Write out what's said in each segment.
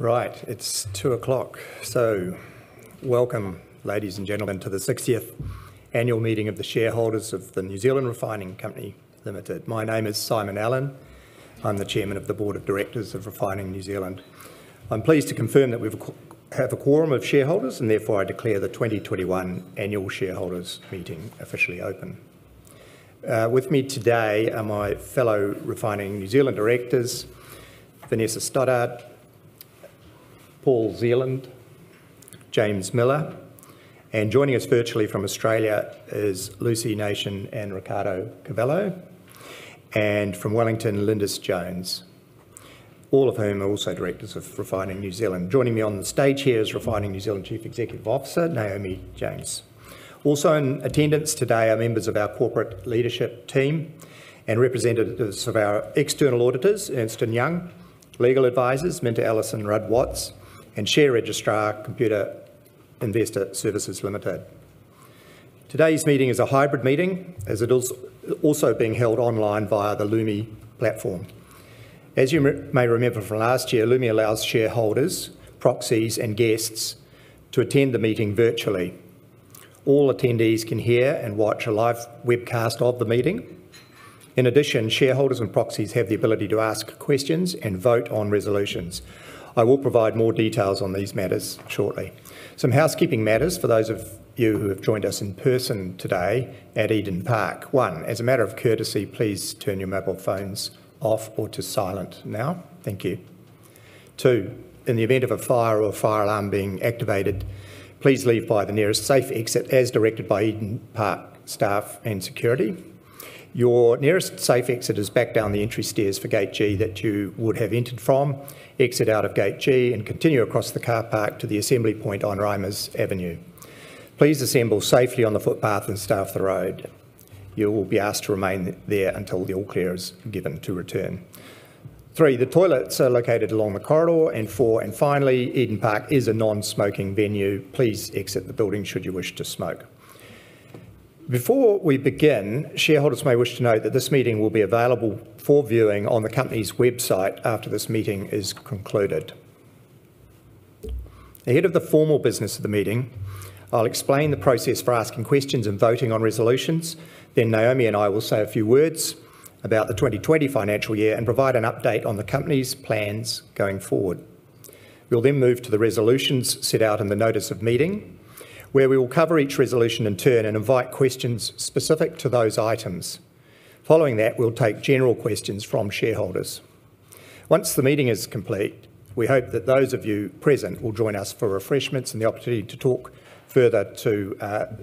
Right. It's 2:00 P.M., welcome, ladies and gentlemen, to the 60th annual meeting of the shareholders of the New Zealand Refining Company Limited. My name is Simon Allen. I'm the Chairman of the board of directors of Refining New Zealand. I'm pleased to confirm that we have a quorum of shareholders, and therefore, I declare the 2021 annual shareholders' meeting officially open. With me today are my fellow Refining New Zealand directors, Vanessa Stoddart, Paul Zealand, James Miller, and joining us virtually from Australia is Lucy Nation and Riccardo Cavallo. From Wellington, Lindis Jones, all of whom are also directors of Refining New Zealand. Joining me on the stage here is Refining New Zealand Chief Executive Officer, Naomi James. Also in attendance today are members of our corporate leadership team and representatives of our external auditors, Ernst & Young, legal advisors, MinterEllisonRuddWatts, and share registrar, Computershare Investor Services Limited. Today's meeting is a hybrid meeting, as it is also being held online via the Lumi. As you may remember from last year, Lumi allows shareholders, proxies, and guests to attend the meeting virtually. All attendees can hear and watch a live webcast of the meeting. Shareholders and proxies have the ability to ask questions and vote on resolutions. I will provide more details on these matters shortly. Some housekeeping matters for those of you who have joined us in person today at Eden Park. 1, as a matter of courtesy, please turn your mobile phones off or to silent now. Thank you. Two, in the event of a fire or fire alarm being activated, please leave by the nearest safe exit as directed by Eden Park staff and security. Your nearest safe exit is back down the entry stairs for Gate G that you would have entered from. Exit out of Gate G and continue across the car park to the assembly point on Reimers Avenue. Please assemble safely on the footpath and stay off the road. You will be asked to remain there until the all clear is given to return. Three, the toilets are located along the corridor. Four, finally, Eden Park is a non-smoking venue. Please exit the building should you wish to smoke. Before we begin, shareholders may wish to note that this meeting will be available for viewing on the company's website after this meeting is concluded. Ahead of the formal business of the meeting, I'll explain the process for asking questions and voting on resolutions. Naomi and I will say a few words about the 2020 financial year and provide an update on the company's plans going forward. We'll then move to the resolutions set out in the notice of meeting, where we will cover each resolution in turn and invite questions specific to those items. Following that, we'll take general questions from shareholders. Once the meeting is complete, we hope that those of you present will join us for refreshments and the opportunity to talk further to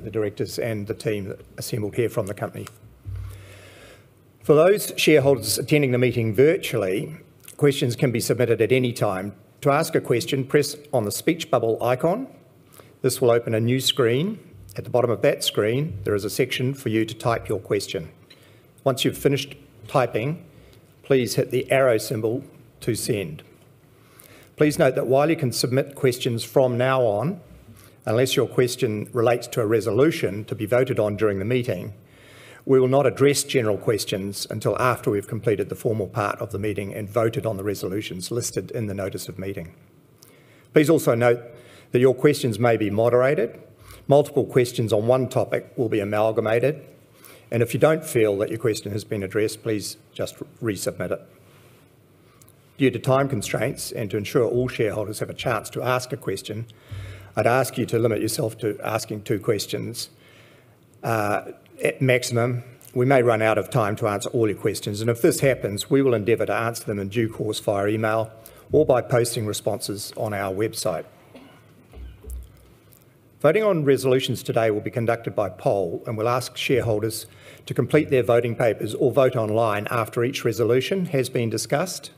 the directors and the team assembled here from the company. For those shareholders attending the meeting virtually, questions can be submitted at any time. To ask a question, press on the speech bubble icon. This will open a new screen. At the bottom of that screen, there is a section for you to type your question. Once you've finished typing, please hit the arrow symbol to send. Please note that while you can submit questions from now on, unless your question relates to a resolution to be voted on during the meeting, we will not address general questions until after we've completed the formal part of the meeting and voted on the resolutions listed in the notice of meeting. Please also note that your questions may be moderated. Multiple questions on one topic will be amalgamated, and if you don't feel that your question has been addressed, please just resubmit it. Due to time constraints and to ensure all shareholders have a chance to ask a question, I'd ask you to limit yourself to asking two questions. At maximum, we may run out of time to answer all your questions. If this happens, we will endeavor to answer them in due course via email or by posting responses on our website. Voting on resolutions today will be conducted by poll. We'll ask shareholders to complete their voting papers or vote online after each resolution has been discussed.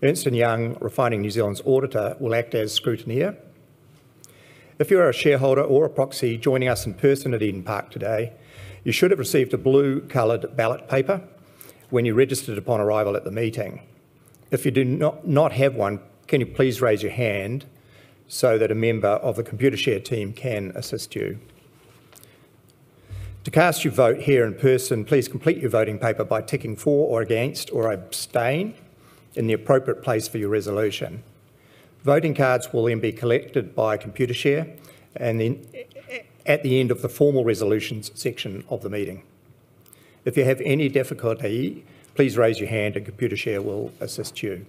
Ernst & Young, Refining New Zealand's auditor, will act as scrutineer. If you're a shareholder or a proxy joining us in person at Eden Park today, you should have received a blue-colored ballot paper when you registered upon arrival at the meeting. If you do not have one, can you please raise your hand so that a member of the Computershare team can assist you? To cast your vote here in person, please complete your voting paper by ticking for or against or abstain in the appropriate place for your resolution. Voting cards will then be collected by Computershare at the end of the formal resolutions section of the meeting. If you have any difficulty, please raise your hand, and Computershare will assist you.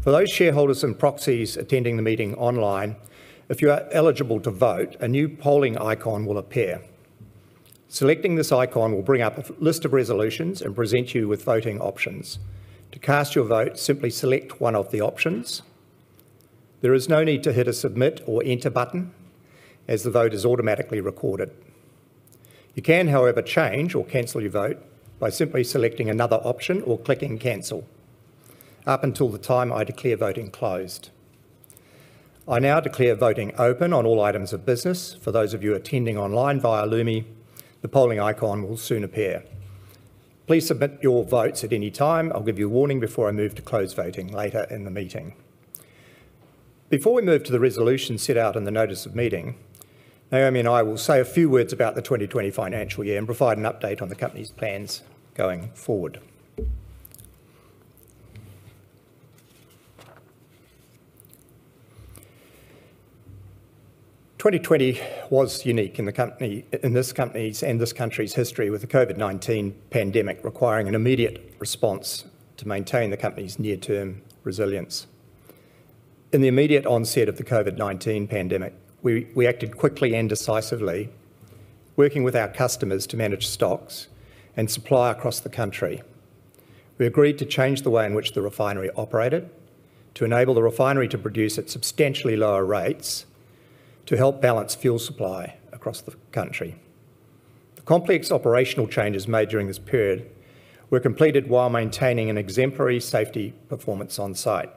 For those shareholders and proxies attending the meeting online, if you are eligible to vote, a new polling icon will appear. Selecting this icon will bring up a list of resolutions and present you with voting options. To cast your vote, simply select one of the options. There is no need to hit a submit or enter button as the vote is automatically recorded. You can, however, change or cancel your vote by simply selecting another option or clicking cancel up until the time I declare voting closed. I now declare voting open on all items of business. For those of you attending online via Lumi, the polling icon will soon appear. Please submit your votes at any time. I'll give you a warning before I move to close voting later in the meeting. Before we move to the resolution set out in the notice of meeting, Naomi and I will say a few words about the 2020 financial year and provide an update on the company's plans going forward. 2020 was unique in this company's and this country's history, with the COVID-19 pandemic requiring an immediate response to maintain the company's near-term resilience. In the immediate onset of the COVID-19 pandemic, we acted quickly and decisively, working with our customers to manage stocks and supply across the country. We agreed to change the way in which the refinery operated to enable the refinery to produce at substantially lower rates to help balance fuel supply across the country. The complex operational changes made during this period were completed while maintaining an exemplary safety performance on-site.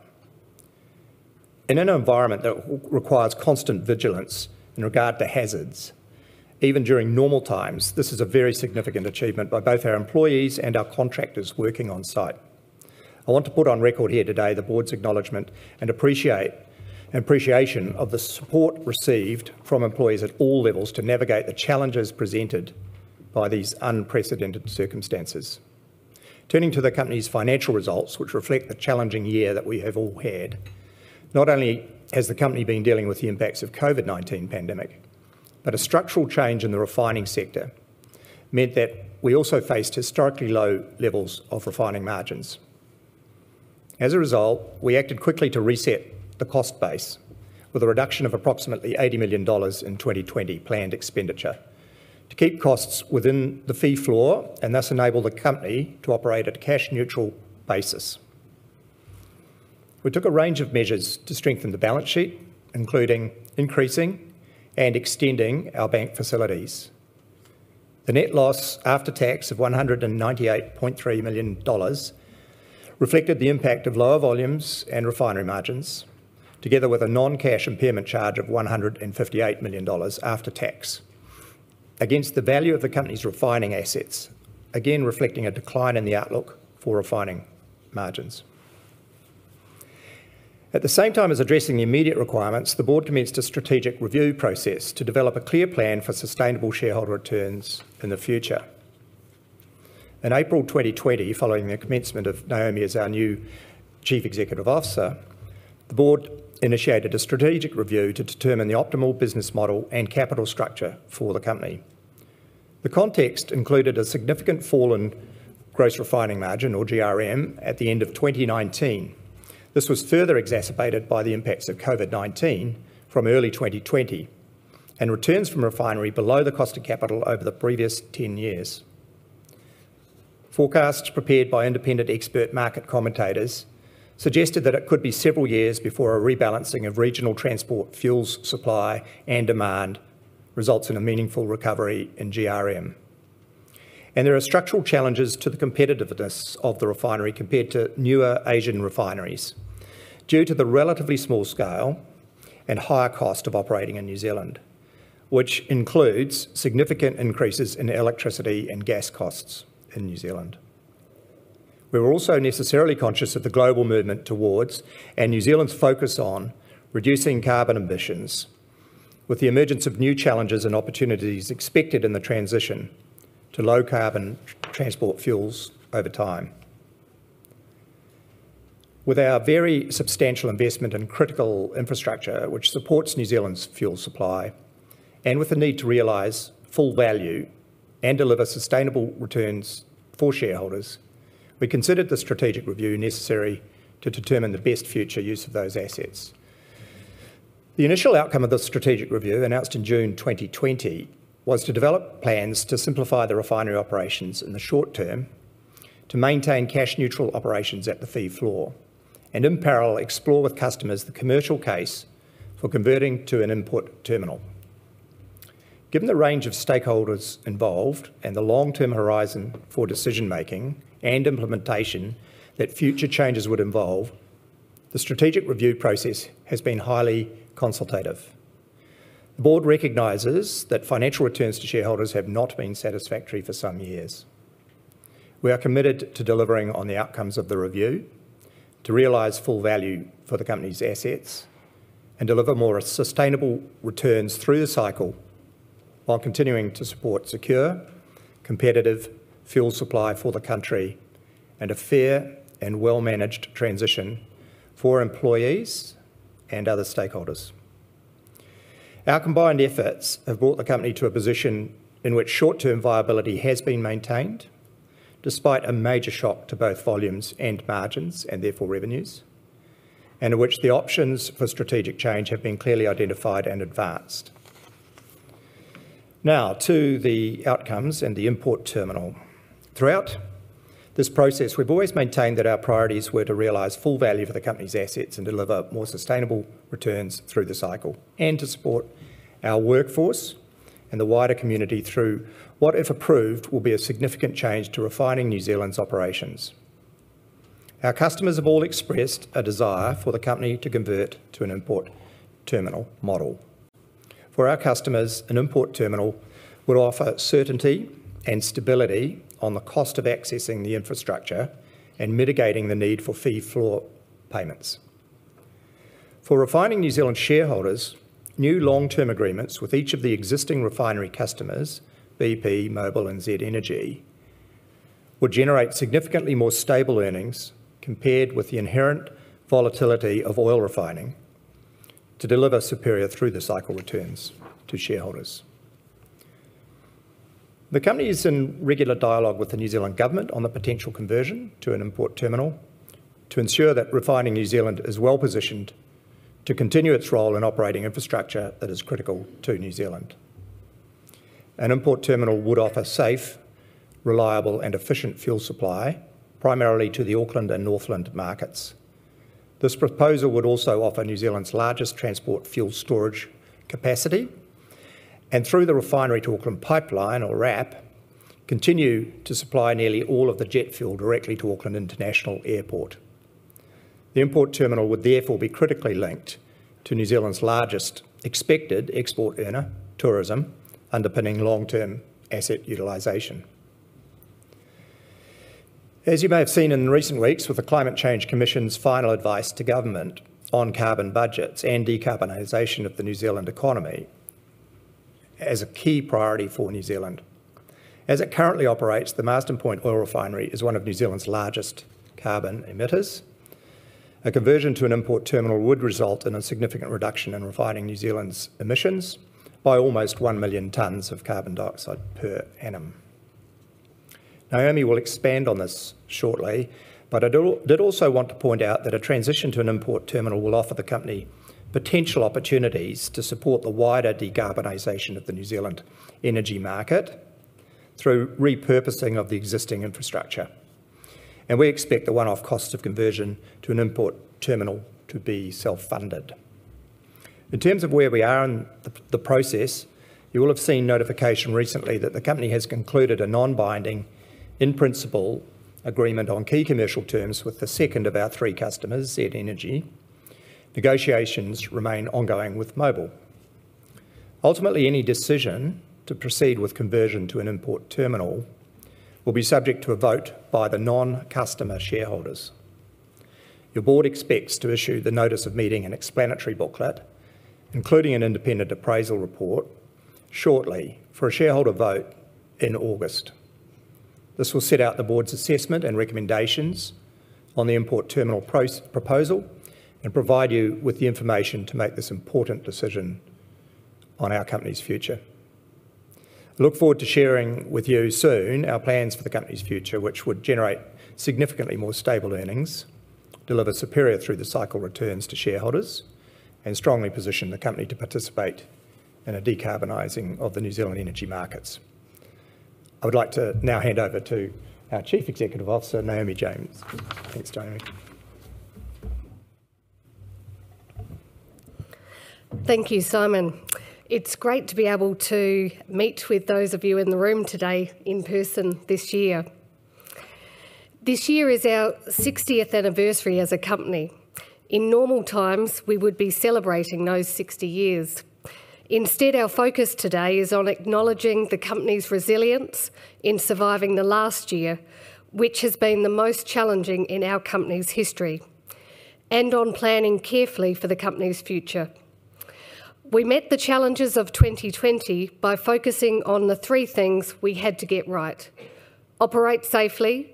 In an environment that requires constant vigilance in regard to hazards, even during normal times, this is a very significant achievement by both our employees and our contractors working on-site. I want to put on record here today the board's acknowledgement and appreciation of the support received from employees at all levels to navigate the challenges presented by these unprecedented circumstances. Turning to the company's financial results, which reflect the challenging year that we have all had. Not only has the company been dealing with the impacts of COVID-19 pandemic, but a structural change in the refining sector meant that we also faced historically low levels of refining margins. As a result, we acted quickly to reset the cost base with a reduction of approximately 80 million dollars in 2020 planned expenditure to keep costs within the fee floor and thus enable the company to operate at a cash neutral basis. We took a range of measures to strengthen the balance sheet, including increasing and extending our bank facilities. The net loss after tax of 198.3 million dollars reflected the impact of lower volumes and refinery margins, together with a non-cash impairment charge of 158 million dollars after tax against the value of the company's refining assets, again reflecting a decline in the outlook for refining margins. At the same time as addressing the immediate requirements, the board commenced a strategic review process to develop a clear plan for sustainable shareholder returns in the future. In April 2020, following the commencement of Naomi as our new Chief Executive Officer, the board initiated a strategic review to determine the optimal business model and capital structure for the company. The context included a significant fall in gross refining margin, or GRM, at the end of 2019. This was further exacerbated by the impacts of COVID-19 from early 2020, and returns from refinery below the cost of capital over the previous 10 years. Forecasts prepared by independent expert market commentators suggested that it could be several years before a rebalancing of regional transport fuels supply and demand results in a meaningful recovery in GRM. There are structural challenges to the competitiveness of the refinery compared to newer Asian refineries due to the relatively small scale and higher cost of operating in New Zealand, which includes significant increases in electricity and gas costs in New Zealand. We are also necessarily conscious of the global movement towards, and New Zealand's focus on, reducing carbon emissions, with the emergence of new challenges and opportunities expected in the transition to low carbon transport fuels over time. With our very substantial investment in critical infrastructure which supports New Zealand's fuel supply, and with the need to realize full value and deliver sustainable returns for shareholders, we considered the strategic review necessary to determine the best future use of those assets. The initial outcome of the strategic review, announced in June 2020, was to develop plans to simplify the refinery operations in the short term, to maintain cash neutral operations at the fee floor, and in parallel, explore with customers the commercial case for converting to an import terminal. Given the range of stakeholders involved and the long-term horizon for decision-making and implementation that future changes would involve, the strategic review process has been highly consultative. The board recognizes that financial returns to shareholders have not been satisfactory for some years. We are committed to delivering on the outcomes of the review, to realize full value for the company's assets, and deliver more sustainable returns through the cycle while continuing to support secure, competitive fuel supply for the country and a fair and well-managed transition for employees and other stakeholders. Our combined efforts have brought the company to a position in which short-term viability has been maintained despite a major shock to both volumes and margins, and therefore revenues, and in which the options for strategic change have been clearly identified and advanced. Now to the outcomes and the import terminal. Throughout this process, we've always maintained that our priorities were to realize full value for the company's assets and deliver more sustainable returns through the cycle and to support our workforce and the wider community through what, if approved, will be a significant change to Refining New Zealand's operations. Our customers have all expressed a desire for the company to convert to an import terminal model. For our customers, an import terminal would offer certainty and stability on the cost of accessing the infrastructure and mitigating the need for fee floor payments. For Refining New Zealand shareholders, new long-term agreements with each of the existing refinery customers, bp, Mobil, and Z Energy, will generate significantly more stable earnings compared with the inherent volatility of oil refining to deliver superior through-the-cycle returns to shareholders. The company is in regular dialogue with the New Zealand Government on a potential conversion to an import terminal to ensure that Refining New Zealand is well-positioned to continue its role in operating infrastructure that is critical to New Zealand. An import terminal would offer safe, reliable, and efficient fuel supply, primarily to the Auckland and Northland markets. This proposal would also offer New Zealand's largest transport fuel storage capacity, and through the Refinery to Auckland Pipeline, or RAP, continue to supply nearly all of the jet fuel directly to Auckland International Airport. The import terminal would therefore be critically linked to New Zealand's largest expected export earner, tourism, underpinning long-term asset utilization. As you may have seen in recent weeks with the Climate Change Commission's final advice to government on carbon budgets and decarbonization of the New Zealand economy as a key priority for New Zealand. As it currently operates, the Marsden Point Oil Refinery is one of New Zealand's largest carbon emitters. A conversion to an import terminal would result in a significant reduction in Refining New Zealand's emissions by almost 1 million tons of carbon dioxide per annum. Naomi will expand on this shortly, but I did also want to point out that a transition to an import terminal will offer the company potential opportunities to support the wider decarbonization of the New Zealand energy market through repurposing of the existing infrastructure. We expect the one-off cost of conversion to an import terminal to be self-funded. In terms of where we are in the process, you will have seen notification recently that the company has concluded a non-binding, in-principle agreement on key commercial terms with the second of our three customers, Z Energy. Negotiations remain ongoing with Mobil. Ultimately, any decision to proceed with conversion to an import terminal will be subject to a vote by the non-customer shareholders. Your board expects to issue the notice of meeting and explanatory booklet, including an independent appraisal report, shortly for a shareholder vote in August. This will set out the board's assessment and recommendations on the import terminal proposal and provide you with the information to make this important decision on our company's future. I look forward to sharing with you soon our plans for the company's future, which would generate significantly more stable earnings, deliver superior through-the-cycle returns to shareholders, and strongly position the company to participate in the decarbonizing of the New Zealand energy markets. I would like to now hand over to our Chief Executive Officer, Naomi James. Thanks, Naomi. Thank you, Simon. It's great to be able to meet with those of you in the room today in person this year. This year is our 60th anniversary as a company. In normal times, we would be celebrating those 60 years. Instead, our focus today is on acknowledging the company's resilience in surviving the last year, which has been the most challenging in our company's history, and on planning carefully for the company's future. We met the challenges of 2020 by focusing on the three things we had to get right: operate safely,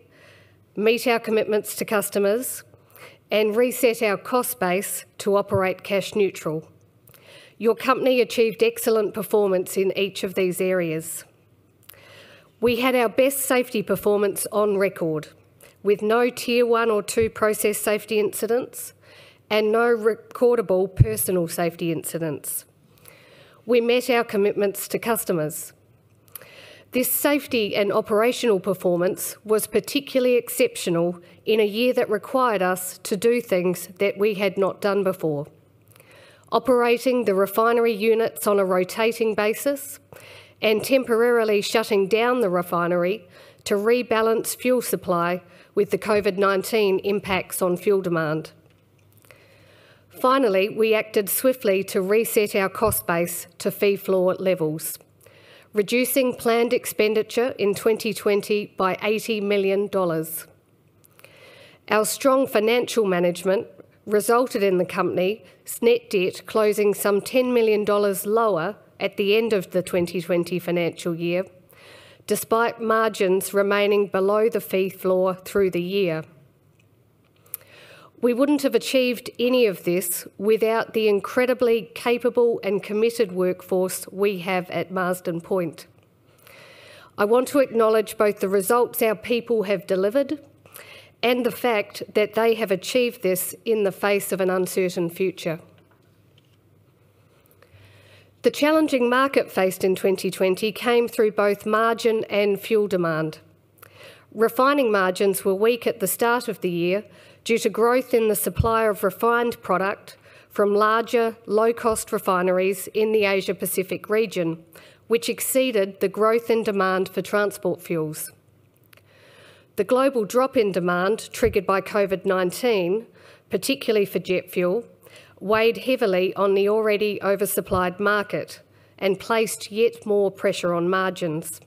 meet our commitments to customers, and reset our cost base to operate cash neutral. Your company achieved excellent performance in each of these areas. We had our best safety performance on record, with no tier 1 or 2 process safety incidents and no recordable personal safety incidents. We met our commitments to customers. This safety and operational performance was particularly exceptional in a year that required us to do things that we had not done before. Operating the refinery units on a rotating basis and temporarily shutting down the refinery to rebalance fuel supply with the COVID-19 impacts on fuel demand. Finally, we acted swiftly to reset our cost base to fee floor levels, reducing planned expenditure in 2020 by 80 million dollars. Our strong financial management resulted in the company's net debt closing some 10 million dollars lower at the end of the 2020 financial year, despite margins remaining below the fee floor through the year. We wouldn't have achieved any of this without the incredibly capable and committed workforce we have at Marsden Point. I want to acknowledge both the results our people have delivered and the fact that they have achieved this in the face of an uncertain future. The challenging market faced in 2020 came through both margin and fuel demand. Refining margins were weak at the start of the year due to growth in the supply of refined product from larger, low-cost refineries in the Asia-Pacific region, which exceeded the growth in demand for transport fuels. The global drop in demand triggered by COVID-19, particularly for jet fuel, weighed heavily on the already oversupplied market and placed yet more pressure on margins.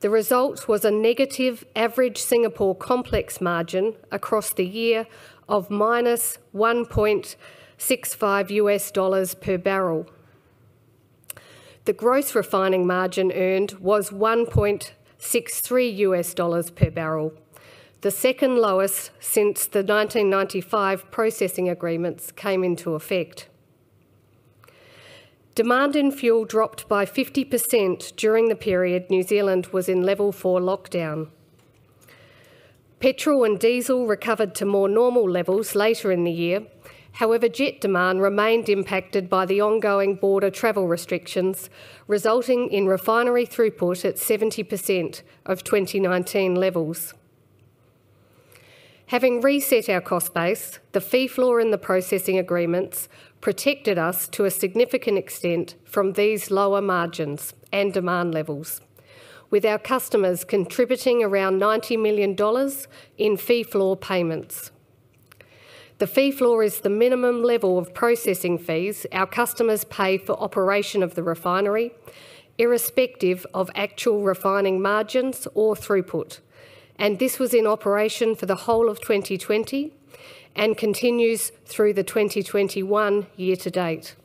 The result was a negative average Singapore complex margin across the year of -$1.65 per barrel. The gross refining margin earned was $1.63 per barrel, the second lowest since the 1995 processing agreements came into effect. Demand in fuel dropped by 50% during the period New Zealand was in level 4 lockdown. Petrol and diesel recovered to more normal levels later in the year. However, jet demand remained impacted by the ongoing border travel restrictions, resulting in refinery throughput at 70% of 2019 levels. Having reset our cost base, the fee floor and the processing agreements protected us to a significant extent from these lower margins and demand levels with our customers contributing around 90 million dollars in fee floor payments. The fee floor is the minimum level of processing fees our customers pay for operation of the refinery, irrespective of actual refining margins or throughput. This was in operation for the whole of 2020 and continues through the 2021 year to date.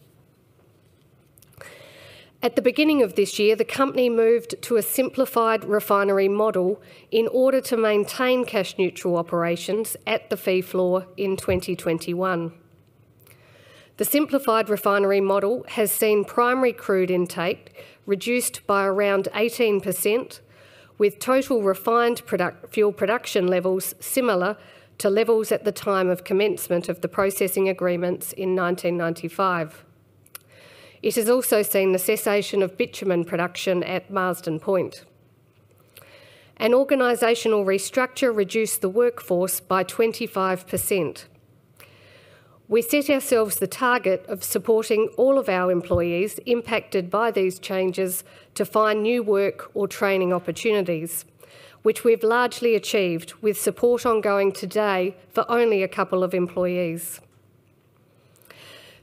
At the beginning of this year, the company moved to a simplified refinery model in order to maintain cash neutral operations at the fee floor in 2021. The simplified refinery model has seen primary crude intake reduced by around 18%, with total refined fuel production levels similar to levels at the time of commencement of the Processing Agreements in 1995. It has also seen the cessation of bitumen production at Marsden Point. An organizational restructure reduced the workforce by 25%. We set ourselves the target of supporting all of our employees impacted by these changes to find new work or training opportunities, which we've largely achieved with support ongoing today for only a couple of employees.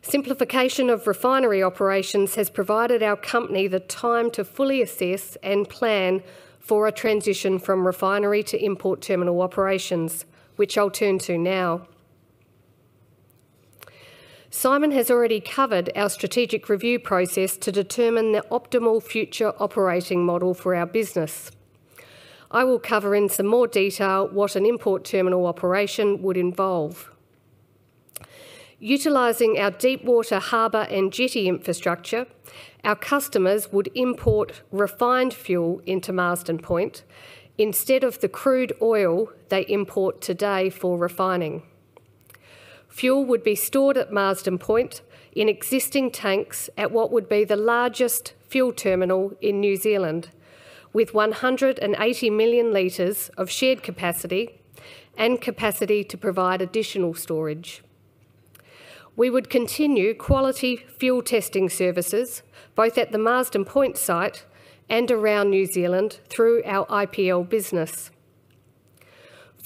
Simplification of refinery operations has provided our company the time to fully assess and plan for a transition from refinery to import terminal operations, which I'll turn to now. Simon has already covered our strategic review process to determine the optimal future operating model for our business. I will cover in some more detail what an import terminal operation would involve. Utilizing our deepwater harbor and jetty infrastructure, our customers would import refined fuel into Marsden Point instead of the crude oil they import today for refining. Fuel would be stored at Marsden Point in existing tanks at what would be the largest fuel terminal in New Zealand, with 180 million liters of shared capacity and capacity to provide additional storage. We would continue quality fuel testing services, both at the Marsden Point site and around New Zealand through our IPL business.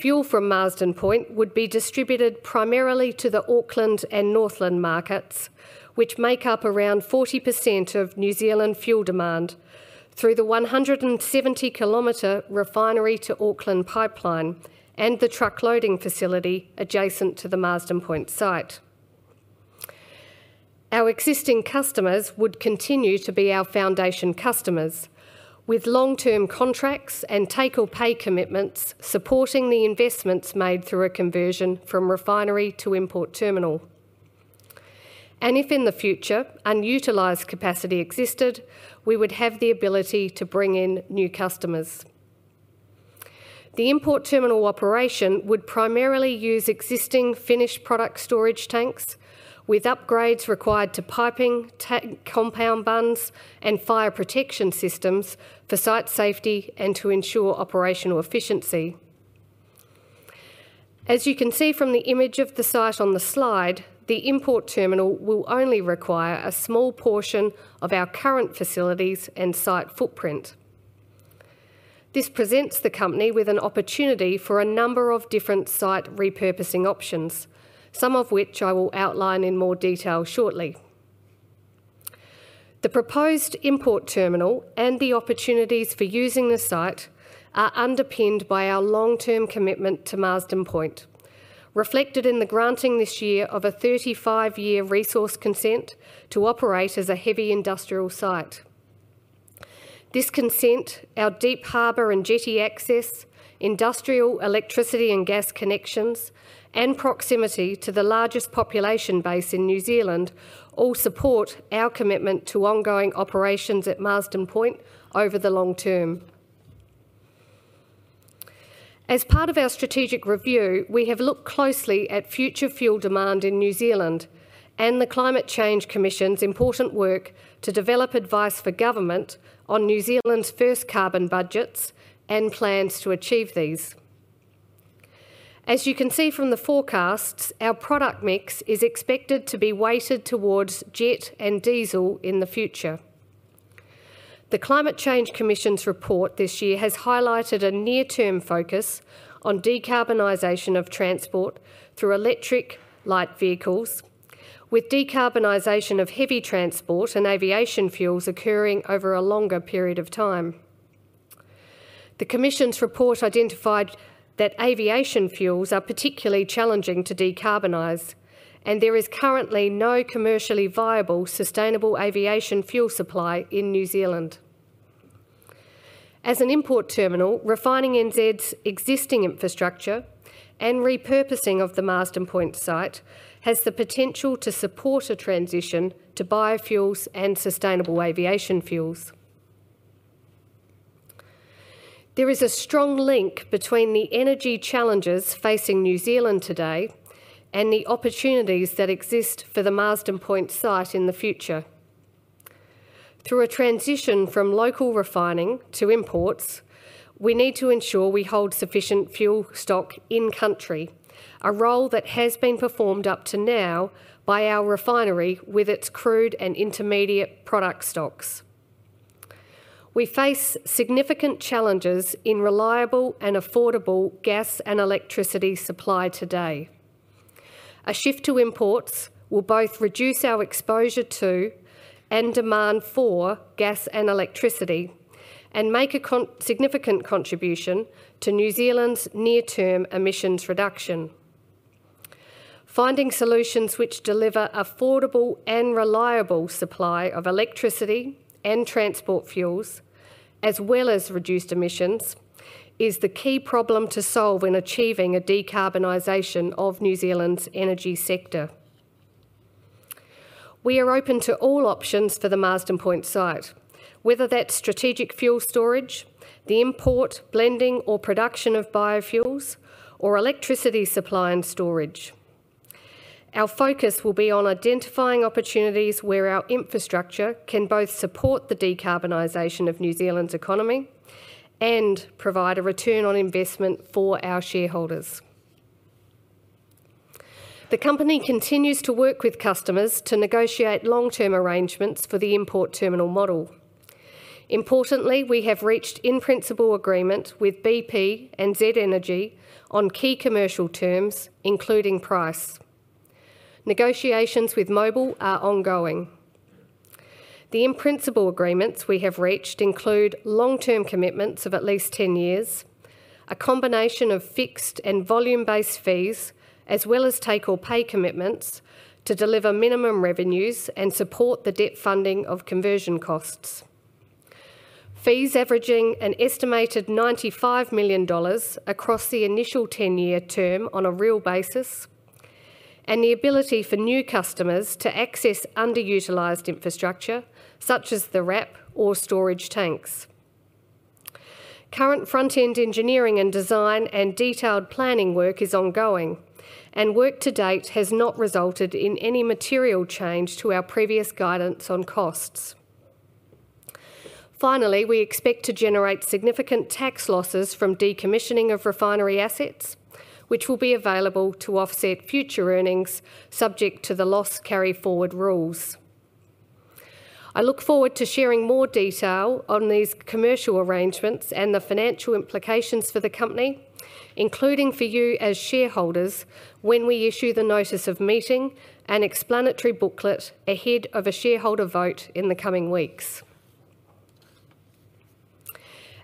Fuel from Marsden Point would be distributed primarily to the Auckland and Northland markets, which make up around 40% of New Zealand fuel demand through the 170-kilometer Refinery to Auckland Pipeline and the truck loading facility adjacent to the Marsden Point site. Our existing customers would continue to be our foundation customers with long-term contracts and take-or-pay commitments supporting the investments made through a conversion from refinery to import terminal. If in the future unutilized capacity existed, we would have the ability to bring in new customers. The import terminal operation would primarily use existing finished product storage tanks with upgrades required to piping, tank compound bunds, and fire protection systems for site safety and to ensure operational efficiency. As you can see from the image of the site on the slide, the import terminal will only require a small portion of our current facilities and site footprint. This presents the company with an opportunity for a number of different site repurposing options, some of which I will outline in more detail shortly. The proposed import terminal and the opportunities for using the site are underpinned by our long-term commitment to Marsden Point, reflected in the granting this year of a 35-year resource consent to operate as a heavy industrial site. This consent, our deep harbor and jetty access, industrial electricity and gas connections, and proximity to the largest population base in New Zealand all support our commitment to ongoing operations at Marsden Point over the long term. As part of our strategic review, we have looked closely at future fuel demand in New Zealand and the Climate Change Commission's important work to develop advice for government on New Zealand's first carbon budgets and plans to achieve these. As you can see from the forecasts, our product mix is expected to be weighted towards jet and diesel in the future. The Climate Change Commission's report this year has highlighted a near-term focus on decarbonization of transport through electric light vehicles, with decarbonization of heavy transport and aviation fuels occurring over a longer period of time. The commission's report identified that aviation fuels are particularly challenging to decarbonize, and there is currently no commercially viable sustainable aviation fuel supply in New Zealand. As an import terminal, Refining NZ's existing infrastructure and repurposing of the Marsden Point site has the potential to support a transition to biofuels and sustainable aviation fuels. There is a strong link between the energy challenges facing New Zealand today and the opportunities that exist for the Marsden Point site in the future. Through a transition from local refining to imports, we need to ensure we hold sufficient fuel stock in-country, a role that has been performed up to now by our refinery with its crude and intermediate product stocks. We face significant challenges in reliable and affordable gas and electricity supply today. A shift to imports will both reduce our exposure to, and demand for, gas and electricity, and make a significant contribution to New Zealand's near-term emissions reduction. Finding solutions which deliver affordable and reliable supply of electricity and transport fuels, as well as reduced emissions, is the key problem to solve in achieving a decarbonization of New Zealand's energy sector. We are open to all options for the Marsden Point site, whether that's strategic fuel storage, the import, blending, or production of biofuels, or electricity supply and storage. Our focus will be on identifying opportunities where our infrastructure can both support the decarbonization of New Zealand's economy and provide a return on investment for our shareholders. The company continues to work with customers to negotiate long-term arrangements for the import terminal model. Importantly, we have reached in-principle agreement with bp and Z Energy on key commercial terms, including price. Negotiations with Mobil are ongoing. The in-principle agreements we have reached include long-term commitments of at least 10 years, a combination of fixed and volume-based fees, as well as take-or-pay commitments to deliver minimum revenues and support the debt funding of conversion costs, fees averaging an estimated NZD 95 million across the initial 10-year term on a real basis, and the ability for new customers to access underutilized infrastructure, such as the RAP or storage tanks. Current front-end engineering and design and detailed planning work is ongoing, and work to date has not resulted in any material change to our previous guidance on costs. Finally, we expect to generate significant tax losses from decommissioning of refinery assets, which will be available to offset future earnings subject to the loss carry forward rules. I look forward to sharing more detail on these commercial arrangements and the financial implications for the company, including for you as shareholders, when we issue the notice of meeting and explanatory booklet ahead of a shareholder vote in the coming weeks.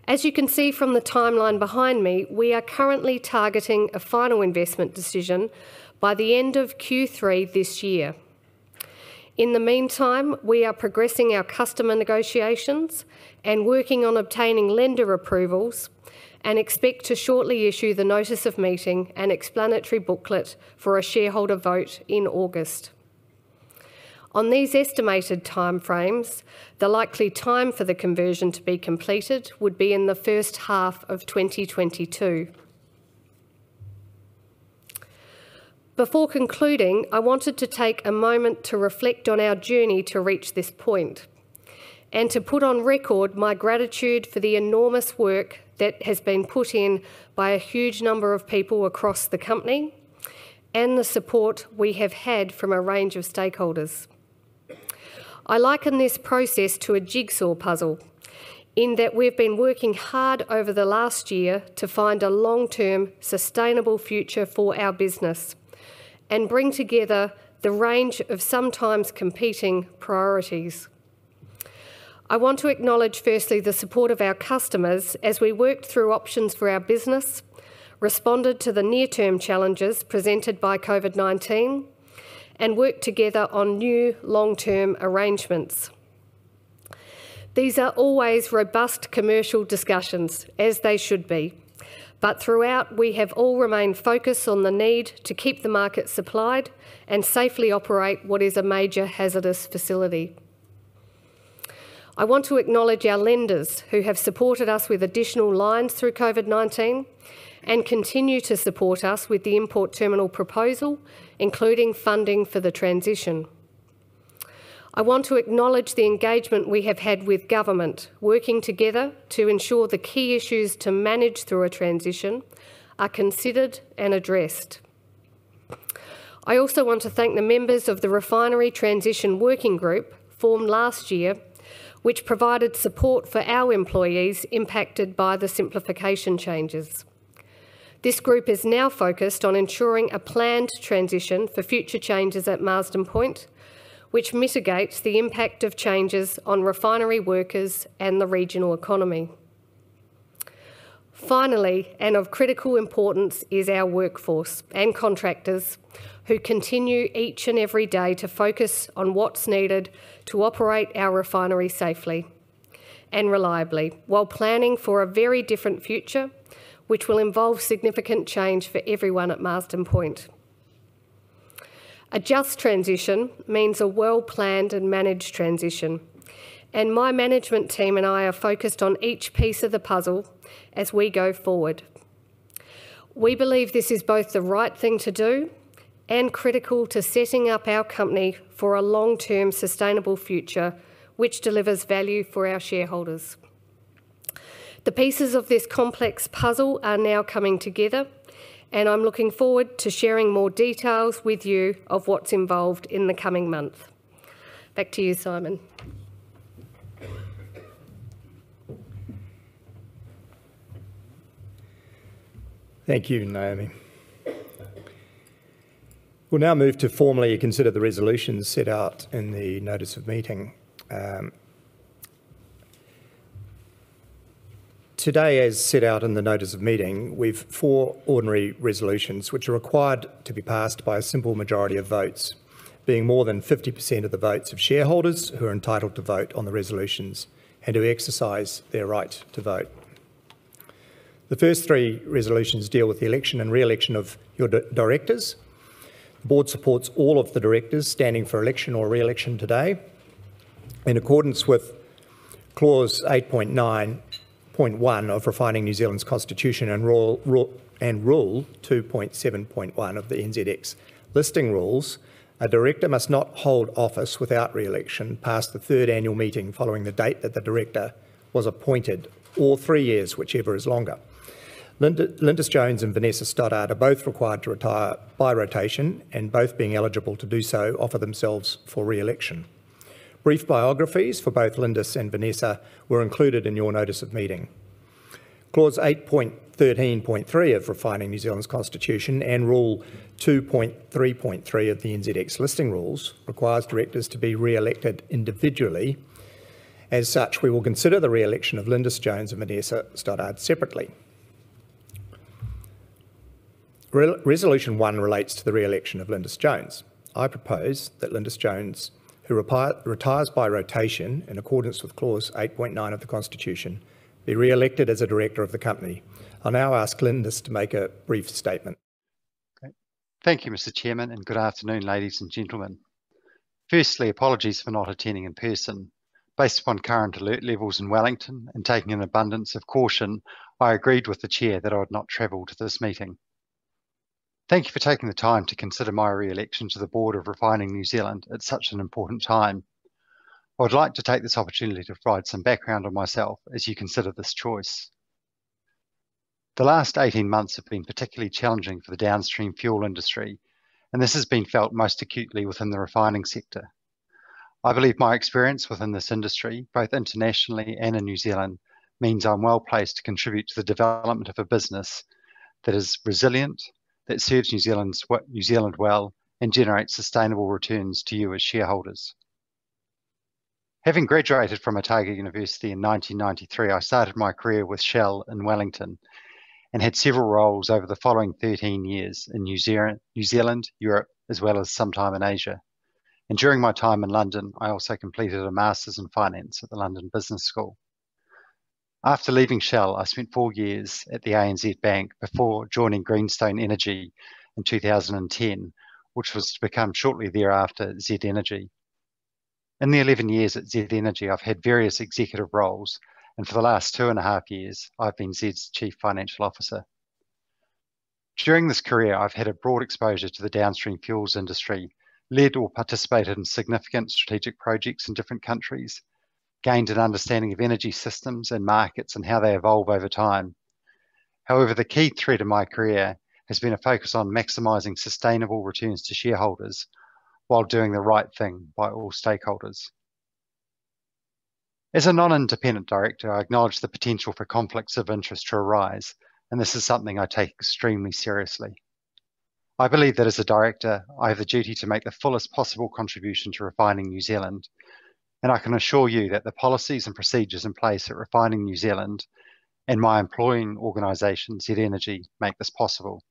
As you can see from the timeline behind me, we are currently targeting a final investment decision by the end of Q3 this year. In the meantime, we are progressing our customer negotiations and working on obtaining lender approvals and expect to shortly issue the notice of meeting and explanatory booklet for a shareholder vote in August. On these estimated timeframes, the likely time for the conversion to be completed would be in the first half of 2022. Before concluding, I wanted to take a moment to reflect on our journey to reach this point, and to put on record my gratitude for the enormous work that has been put in by a huge number of people across the company and the support we have had from a range of stakeholders. I liken this process to a jigsaw puzzle, in that we've been working hard over the last year to find a long-term, sustainable future for our business and bring together the range of sometimes competing priorities. I want to acknowledge firstly the support of our customers as we worked through options for our business, responded to the near-term challenges presented by COVID-19, and worked together on new long-term arrangements. These are always robust commercial discussions, as they should be. Throughout, we have all remained focused on the need to keep the market supplied and safely operate what is a major hazardous facility. I want to acknowledge our lenders, who have supported us with additional lines through COVID-19 and continue to support us with the import terminal proposal, including funding for the transition. I want to acknowledge the engagement we have had with government, working together to ensure the key issues to manage through a transition are considered and addressed. I also want to thank the members of the Refinery Transition Working Group, formed last year, which provided support for our employees impacted by the simplification changes. This group is now focused on ensuring a planned transition for future changes at Marsden Point, which mitigates the impact of changes on refinery workers and the regional economy. Finally, and of critical importance, is our workforce and contractors who continue each and every day to focus on what's needed to operate our refinery safely and reliably while planning for a very different future, which will involve significant change for everyone at Marsden Point. A just transition means a well-planned and managed transition, and my management team and I are focused on each piece of the puzzle as we go forward. We believe this is both the right thing to do and critical to setting up our company for a long-term sustainable future, which delivers value for our shareholders. The pieces of this complex puzzle are now coming together, and I'm looking forward to sharing more details with you of what's involved in the coming months. Back to you, Simon. Thank you, Naomi. We'll now move to formally consider the resolutions set out in the notice of meeting. Today, as set out in the notice of meeting, we have four ordinary resolutions which are required to be passed by a simple majority of votes, being more than 50% of the votes of shareholders who are entitled to vote on the resolutions and who exercise their right to vote. The first three resolutions deal with the election and re-election of your directors. The board supports all of the directors standing for election or re-election today. In accordance with Clause 8.9.1 of Refining New Zealand's Constitution and Rule 2.7.1 of the NZX Listing Rules, a director must not hold office without re-election past the third annual meeting following the date that the director was appointed, or three years, whichever is longer. Lindis Jones and Vanessa Stoddart are both required to retire by rotation, and both being eligible to do so offer themselves for re-election. Brief biographies for both Lindis and Vanessa were included in your notice of meeting. Clause 8.13.3 of Refining New Zealand's Constitution and Rule 2.3.3 of the NZX Listing Rules requires directors to be re-elected individually. As such, we will consider the re-election of Lindis Jones and Vanessa Stoddart separately. Resolution 1 relates to the re-election of Lindis Jones. I propose that Lindis Jones, who retires by rotation in accordance with Clause 8.9 of the Constitution, be re-elected as a director of the company. I'll now ask Lindis to make a brief statement. Thank you, Mr. Chairman, and good afternoon, ladies and gentlemen. Firstly, apologies for not attending in person. Based upon current alert levels in Wellington and taking an abundance of caution, I agreed with the Chair that I would not travel to this meeting. Thank you for taking the time to consider my re-election to the board of Refining New Zealand at such an important time. I would like to take this opportunity to provide some background on myself as you consider this choice. The last 18 months have been particularly challenging for the downstream fuel industry, and this has been felt most acutely within the refining sector. I believe my experience within this industry, both internationally and in New Zealand, means I'm well-placed to contribute to the development of a business that is resilient, that serves New Zealand well, and generates sustainable returns to you as shareholders. Having graduated from University of Otago in 1993, I started my career with Shell in Wellington and had several roles over the following 13 years in New Zealand, Europe, as well as some time in Asia. During my time in London, I also completed a master's in finance at the London Business School. After leaving Shell, I spent four years at the ANZ Bank before joining Greenstone Energy in 2010, which was to become shortly thereafter, Z Energy. In the 11 years at Z Energy, I've had various executive roles, and for the last two and a half years, I've been Z's chief financial officer. During this career, I've had a broad exposure to the downstream fuels industry, led or participated in significant strategic projects in different countries, gained an understanding of energy systems and markets and how they evolve over time. However, the key thread of my career has been a focus on maximizing sustainable returns to shareholders while doing the right thing by all stakeholders. As a non-independent director, I acknowledge the potential for conflicts of interest to arise, and this is something I take extremely seriously. I believe that as a director, I have a duty to make the fullest possible contribution to Refining New Zealand, and I can assure you that the policies and procedures in place at Refining New Zealand and my employing organization, Z Energy, make this possible.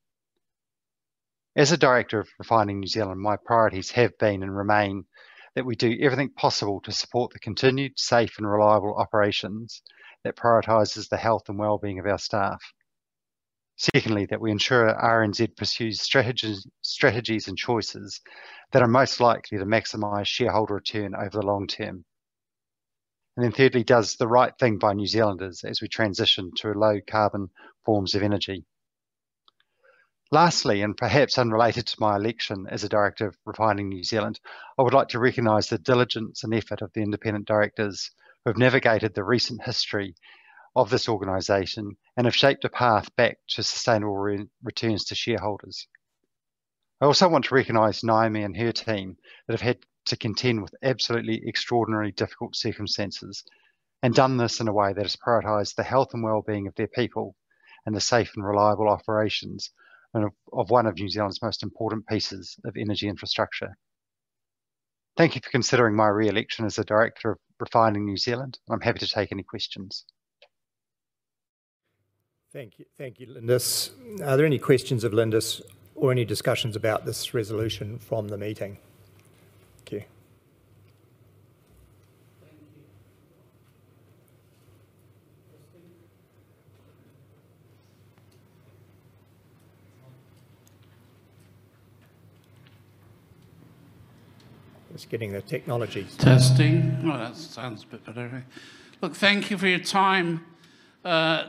As a director of Refining New Zealand, my priorities have been and remain that we do everything possible to support the continued safe and reliable operations that prioritizes the health and well-being of our staff. Secondly, that we ensure that RNZ pursues strategies and choices that are most likely to maximize shareholder return over the long term. Thirdly, does the right thing by New Zealanders as we transition to low-carbon forms of energy. Lastly, perhaps unrelated to my election as a director of Refining New Zealand, I would like to recognize the diligence and effort of the independent directors who have navigated the recent history of this organization and have shaped a path back to sustainable returns to shareholders. I also want to recognize Naomi and her team, who have had to contend with absolutely extraordinary difficult circumstances and done this in a way that has prioritized the health and well-being of their people and the safe and reliable operations of one of New Zealand's most important pieces of energy infrastructure. Thank you for considering my re-election as a director of Refining New Zealand. I'm happy to take any questions. Thank you, Lindis. Are there any questions of Lindis or any discussions about this resolution from the meeting? Thank you. Testing. Oh, that sounds a bit better. Look, thank you for your time.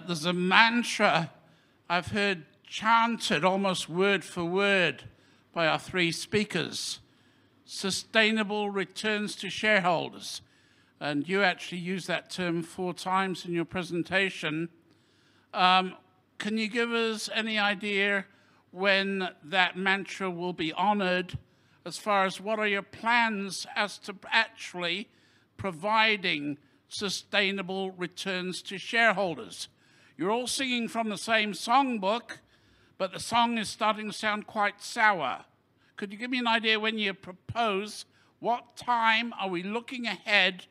There's a mantra I've heard chanted almost word for word by our three speakers, sustainable returns to shareholders, and you actually used that term 4x in your presentation. Can you give us any idea when that mantra will be honored as far as what are your plans as to actually providing sustainable returns to shareholders? You're all singing from the same songbook, but the song is starting to sound quite sour. Could you give me an idea when you propose, what time are we looking ahead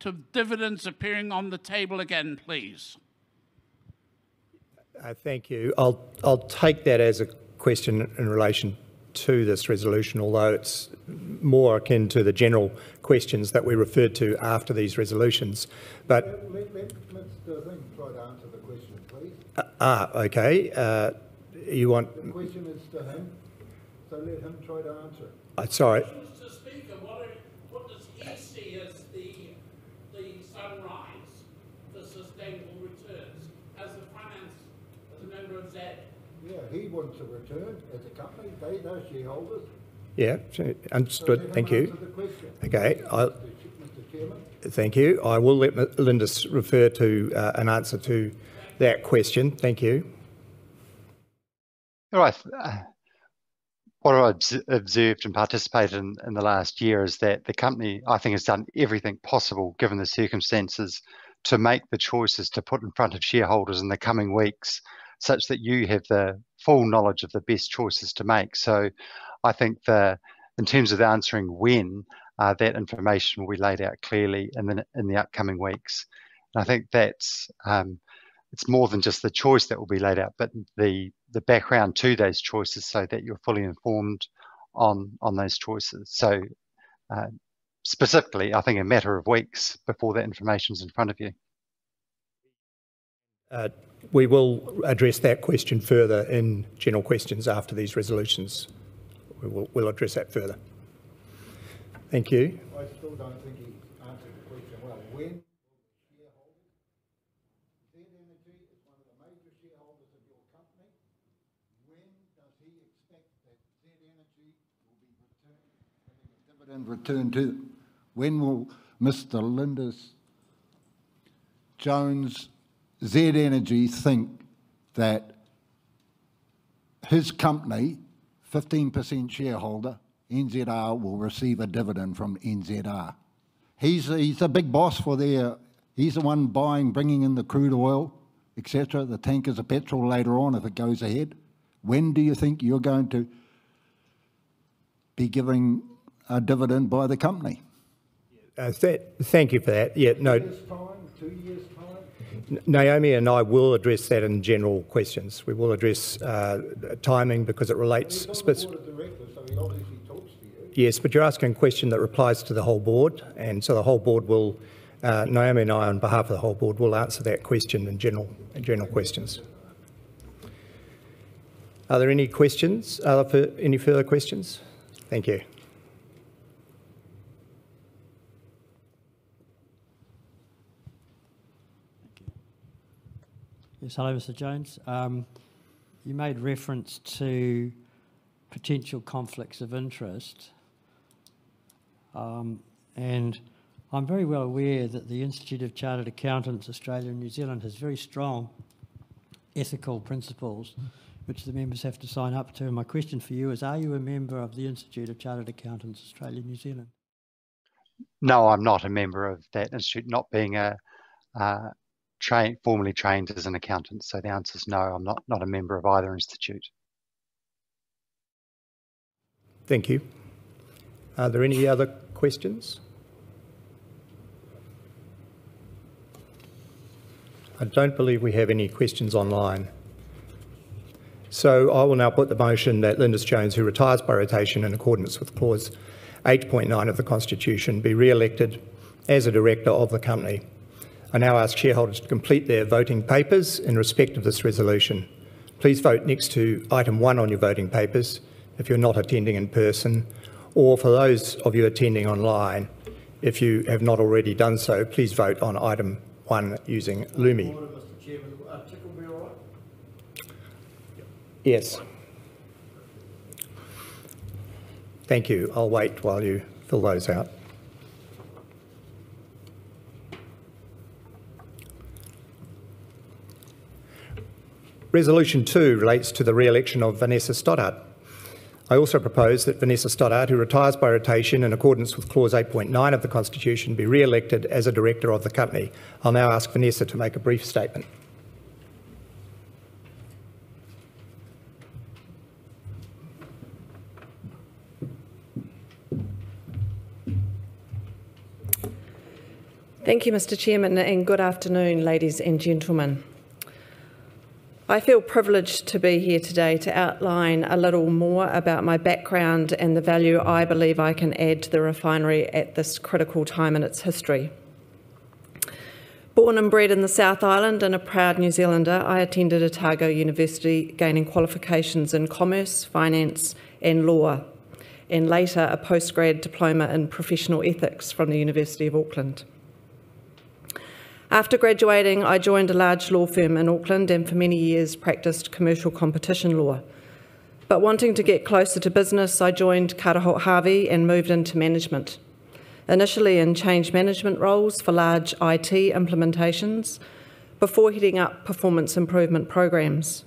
to dividends appearing on the table again, please? Thank you. I'll take that as a question in relation to this resolution, although it's more akin to the general questions that we refer to after these resolutions. Let him try to answer the question, please. Okay. The question is to him. Let him try to answer. Sorry. Just to speak of what does he see as the sunrise for sustainable returns as a member of Z Energy? Yeah, he wants a return as a company, paid as shareholders. Yeah. Understood. Thank you. Let him answer the question. Okay. Mr. Chairman. Thank you. I will let Lindis refer to an answer to that question. Thank you. What I've observed and participated in in the last year is that the company, I think, has done everything possible, given the circumstances, to make the choices to put in front of shareholders in the coming weeks such that you have the full knowledge of the best choices to make. I think that in terms of answering when, that information will be laid out clearly in the upcoming weeks. I think that it's more than just the choice that will be laid out, but the background to those choices so that you're fully informed on those choices. Specifically, I think a matter of weeks before that information's in front of you. We will address that question further in general questions after these resolutions. We will address that further. Thank you. I still don't think he's answered the question well. When will the shareholders? Z Energy is one of the major shareholders of your company. When does he expect that Z Energy will be getting a dividend return, too? When will Mr. Lindis Jones, Z Energy, think that his company, 15% shareholder, NZR, will receive a dividend from NZR? He's the big boss for there. He's the one buying, bringing in the crude oil, et cetera, the tankers of petrol later on if it goes ahead. When do you think you're going to be given a dividend by the company? Thank you for that. Yeah, no. A year's time? Two years' time? Naomi and I will address that in general questions. We will address timing because it relates. He's on the board of directors, so he obviously talks to you. Yes, but you're asking a question that applies to the whole board, and so Naomi and I, on behalf of the whole board, will answer that question in general questions. Are there any further questions? Thank you. Yes, hi, Mr. Jones. You made reference to potential conflicts of interest, and I'm very well aware that the Institute of Chartered Accountants Australia and New Zealand has very strong ethical principles which the members have to sign up to. My question for you is, are you a member of the Institute of Chartered Accountants Australia and New Zealand? No, I'm not a member of that institute, not being formerly trained as an accountant. The answer is no, I'm not a member of either institute. Thank you. Are there any other questions? I don't believe we have any questions online. I will now put the motion that Lindis Jones, who retires by rotation in accordance with clause 8.9 of the Constitution, be re-elected as a director of the company. I now ask shareholders to complete their voting papers in respect of this resolution. Please vote next to item 1 on your voting papers if you're not attending in person, or for those of you attending online, if you have not already done so, please vote on item 1 using Lumi. Order, Mr. Chairman. I think we'll be all right. Yes. Thank you. I'll wait while you fill those out. Resolution 2 relates to the re-election of Vanessa Stoddart. I also propose that Vanessa Stoddart, who retires by rotation in accordance with Clause 8.9 of the Constitution, be re-elected as a director of the company. I'll now ask Vanessa to make a brief statement. Thank you, Mr. Chairman, and good afternoon, ladies and gentlemen. I feel privileged to be here today to outline a little more about my background and the value I believe I can add to the refinery at this critical time in its history. Born and bred in the South Island and a proud New Zealander, I attended University of Otago, gaining qualifications in commerce, finance, and law, and later a post-grad diploma in professional ethics from the University of Auckland. After graduating, I joined a large law firm in Auckland, and for many years practiced commercial competition law. Wanting to get closer to business, I joined Carter Holt Harvey and moved into management, initially in change management roles for large IT implementations before heading up performance improvement programs.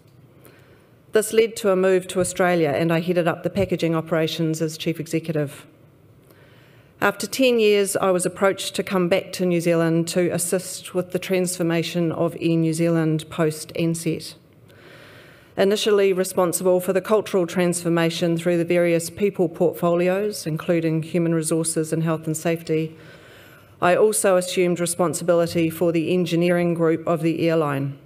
This led to a move to Australia, and I headed up the packaging operations as chief executive. After 10 years, I was approached to come back to New Zealand to assist with the transformation of Air New Zealand post Ansett. Initially responsible for the cultural transformation through the various people portfolios, including human resources and health and safety, I also assumed responsibility for the engineering group of the airline,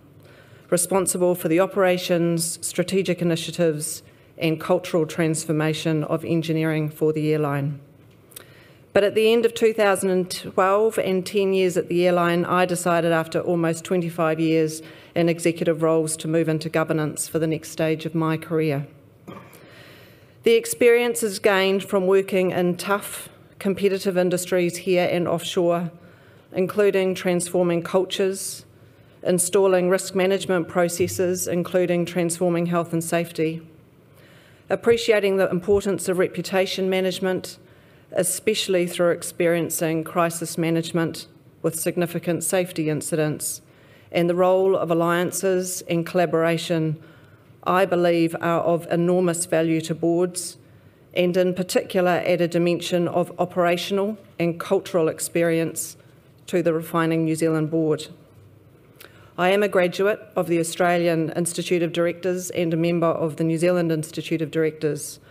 responsible for the operations, strategic initiatives, and cultural transformation of engineering for the airline. At the end of 2012 and 10 years at the airline, I decided after almost 25 years in executive roles to move into governance for the next stage of my career. The experiences gained from working in tough, competitive industries here and offshore, including transforming cultures, installing risk management processes, including transforming health and safety, appreciating the importance of reputation management, especially through experiencing crisis management with significant safety incidents, and the role of alliances and collaboration, I believe are of enormous value to boards, and in particular, add a dimension of operational and cultural experience to the Refining New Zealand Board. I am a graduate of the Australian Institute of Company Directors and a member of the Institute of Directors in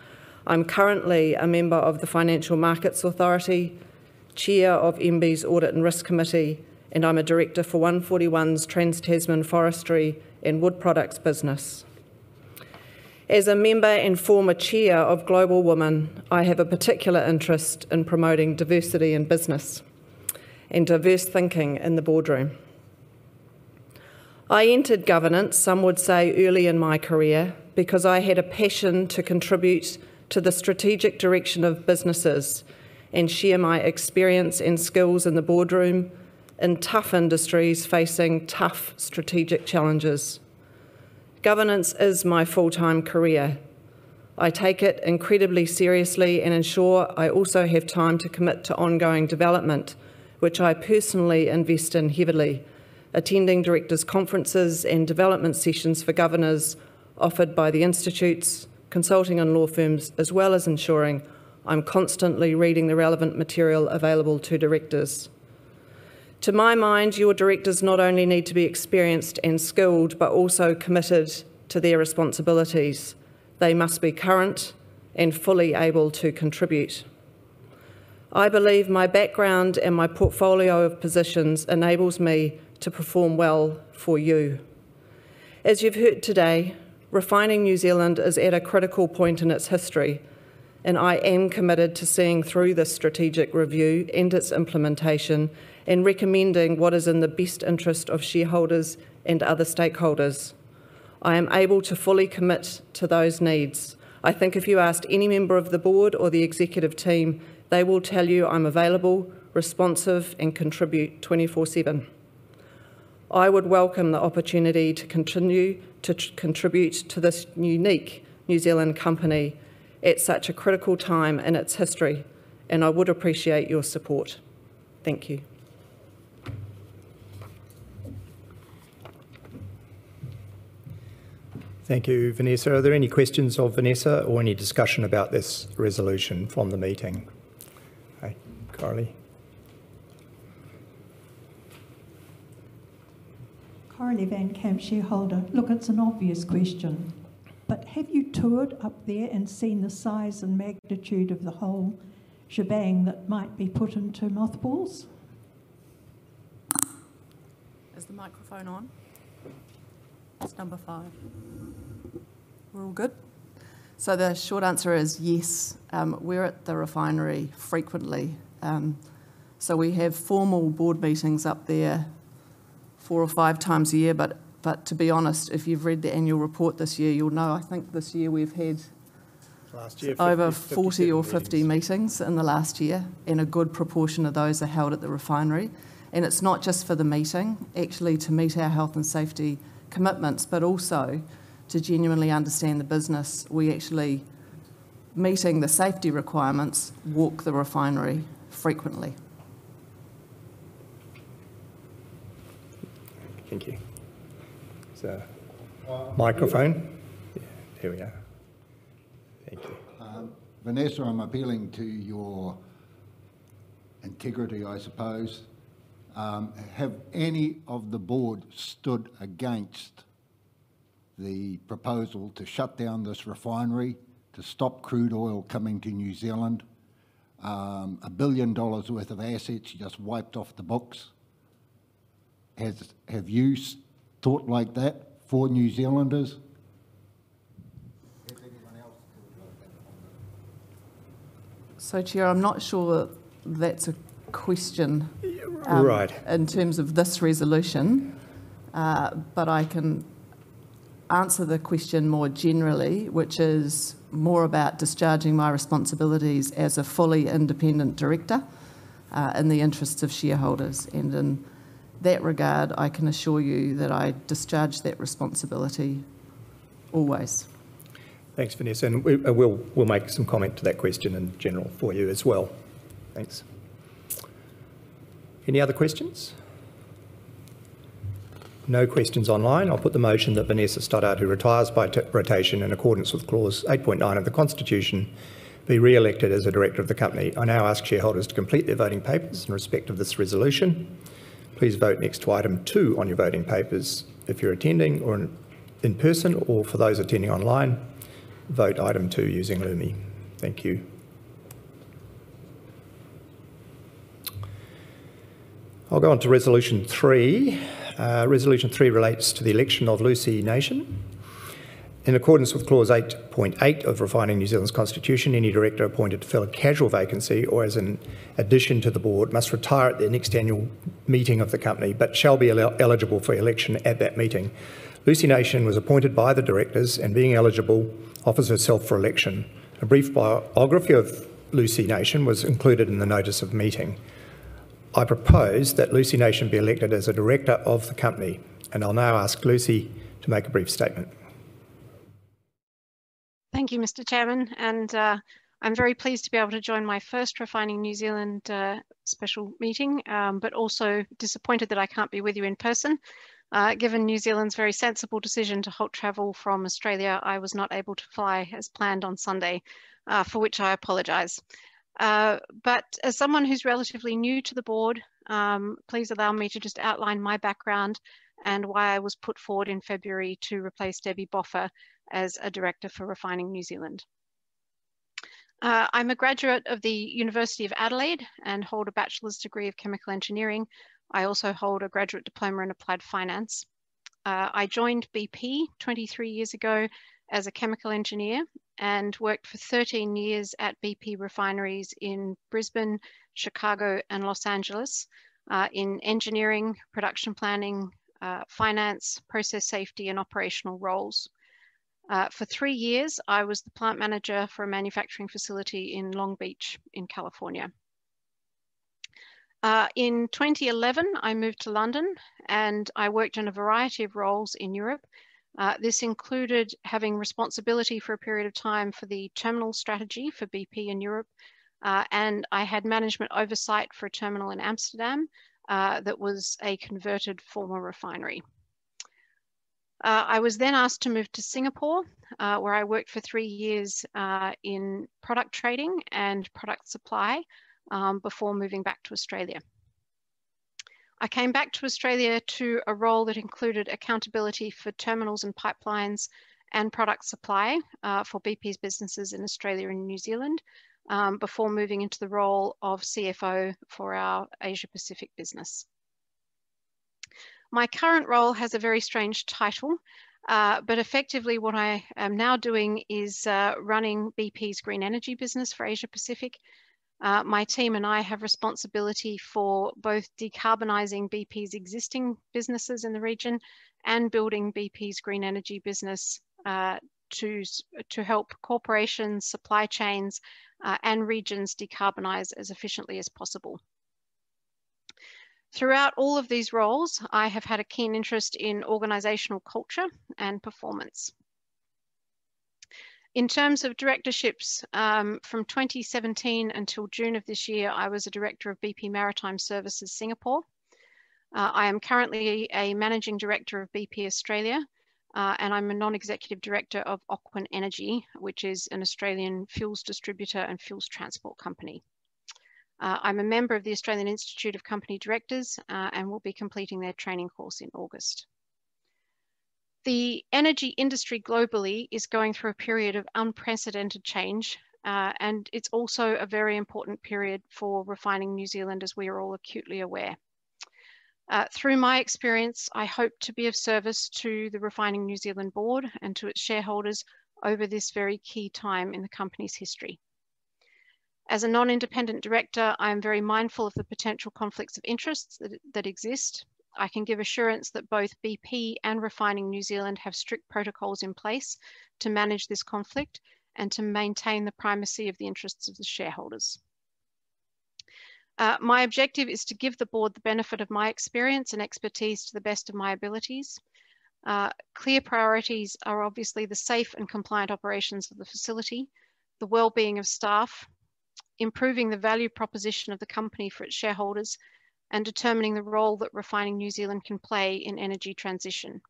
New Zealand. I'm currently a member of the Financial Markets Authority, chair of MBIE's Audit and Risk Committee, and I'm a director for OneFortyOne's Trans Tasman Forestry and Wood Products business. As a member and former chair of Global Women, I have a particular interest in promoting diversity in business and diverse thinking in the boardroom. I entered governance, some would say, early in my career because I had a passion to contribute to the strategic direction of businesses and share my experience and skills in the boardroom in tough industries facing tough strategic challenges. Governance is my full-time career. I take it incredibly seriously and ensure I also have time to commit to ongoing development, which I personally invest in heavily, attending directors' conferences and development sessions for governors offered by the institutes, consulting, and law firms, as well as ensuring I'm constantly reading the relevant material available to directors. To my mind, your directors not only need to be experienced and skilled, but also committed to their responsibilities. They must be current and fully able to contribute. I believe my background and my portfolio of positions enables me to perform well for you. As you've heard today, Refining New Zealand is at a critical point in its history, I am committed to seeing through this strategic review and its implementation and recommending what is in the best interest of shareholders and other stakeholders. I am able to fully commit to those needs. I think if you ask any member of the board or the executive team, they will tell you I'm available, responsive, and contribute 24/7. I would welcome the opportunity to contribute to this unique New Zealand company at such a critical time in its history, I would appreciate your support. Thank you. Thank you, Vanessa. Are there any questions of Vanessa or any discussion about this resolution from the meeting? Okay. Kylie. Kylie van Kamp, shareholder. Look, it's an obvious question, have you toured up there and seen the size and magnitude of the whole shebang that might be put into mothballs? Is the microphone on? That's number 5. We're all good? The short answer is yes. We're at the refinery frequently. We have formal board meetings up there 4x or 5x a year. To be honest, if you've read the annual report this year, you'll know I think this year we've had. Last year. over 40 or 50 meetings in the last year, and a good proportion of those are held at the refinery. It's not just for the meeting, actually, to meet our health and safety commitments, but also to genuinely understand the business. We actually, meeting the safety requirements, walk the refinery frequently. Thank you. There is a microphone. Yeah, here we are. Thank you. Vanessa, I'm appealing to your integrity, I suppose. Have any of the board stood against the proposal to shut down this refinery, to stop crude oil coming to New Zealand? 1 billion dollars worth of assets you just wiped off the books. Have you thought like that for New Zealanders? Have anyone else thought like that on the-? Chair, I'm not sure that's a question. Right in terms of this resolution. I can answer the question more generally, which is more about discharging my responsibilities as a fully independent director, in the interest of shareholders. In that regard, I can assure you that I discharge that responsibility always. Thanks, Vanessa. We'll make some comment to that question in general for you as well. Thanks. Any other questions? No questions online. I'll put the motion that Vanessa Stoddart, who retires by rotation in accordance with Clause 8.9 of the Constitution, be re-elected as a director of the company. I now ask shareholders to complete their voting papers in respect of this resolution. Please vote next to item 2 on your voting papers if you're attending in person, or for those attending online, vote item 2 using Lumi. Thank you. I'll go on to Resolution 3. Resolution 3 relates to the election of Lucy Nation. In accordance with Clause 8.8 of Refining New Zealand's Constitution, any director appointed to fill a casual vacancy or as an addition to the board must retire at the next annual meeting of the company but shall be eligible for election at that meeting. Lucy Nation was appointed by the directors and, being eligible, offers herself for election. A brief biography of Lucy Nation was included in the notice of meeting. I propose that Lucy Nation be elected as a director of the company, and I'll now ask Lucy to make a brief statement. Thank you, Mr. Chairman, and I'm very pleased to be able to join my first Refining New Zealand special meeting, but also disappointed that I can't be with you in person. Given New Zealand's very sensible decision to halt travel from Australia, I was not able to fly as planned on Sunday, for which I apologize. But as someone who's relatively new to the board, please allow me to just outline my background and why I was put forward in February to replace Debi Boffa as a director for Refining New Zealand. I'm a graduate of the University of Adelaide and hold a bachelor's degree of chemical engineering. I also hold a graduate diploma in applied finance. I joined bp 23 years ago as a chemical engineer and worked for 13 years at bp refineries in Brisbane, Chicago, and L.A., in engineering, production planning, finance, process safety, and operational roles. For three years, I was the plant manager for a manufacturing facility in Long Beach in California. In 2011, I moved to London and I worked in a variety of roles in Europe. This included having responsibility for a period of time for the terminal strategy for bp in Europe, and I had management oversight for a terminal in Amsterdam, that was a converted former refinery. I was then asked to move to Singapore, where I worked for three years, in product trading and product supply, before moving back to Australia. I came back to Australia to a role that included accountability for terminals and pipelines and product supply, for bp's businesses in Australia and New Zealand, before moving into the role of CFO for our Asia Pacific business. My current role has a very strange title, but effectively what I am now doing is running bp's green energy business for Asia Pacific. My team and I have responsibility for both decarbonizing bp's existing businesses in the region and building bp's green energy business, to help corporations, supply chains, and regions decarbonize as efficiently as possible. Throughout all of these roles, I have had a keen interest in organizational culture and performance. In terms of directorships, from 2017 until June of this year, I was a director of BP Maritime Services Singapore. I am currently a managing director of bp Australia, and I'm a non-executive director of Ocwen Energy, which is an Australian fuels distributor and fuels transport company. I'm a member of the Australian Institute of Company Directors, and will be completing their training course in August. The energy industry globally is going through a period of unprecedented change, and it's also a very important period for Refining New Zealand, as we are all acutely aware. Through my experience, I hope to be of service to the Refining New Zealand board and to its shareholders over this very key time in the company's history. As a non-independent director, I am very mindful of the potential conflicts of interest that exist. I can give assurance that both bp and Refining New Zealand have strict protocols in place to manage this conflict and to maintain the primacy of the interests of the shareholders. My objective is to give the board the benefit of my experience and expertise to the best of my abilities. Clear priorities are obviously the safe and compliant operations of the facility, the wellbeing of staff, improving the value proposition of the company for its shareholders, and determining the role that Refining New Zealand can play in energy transition.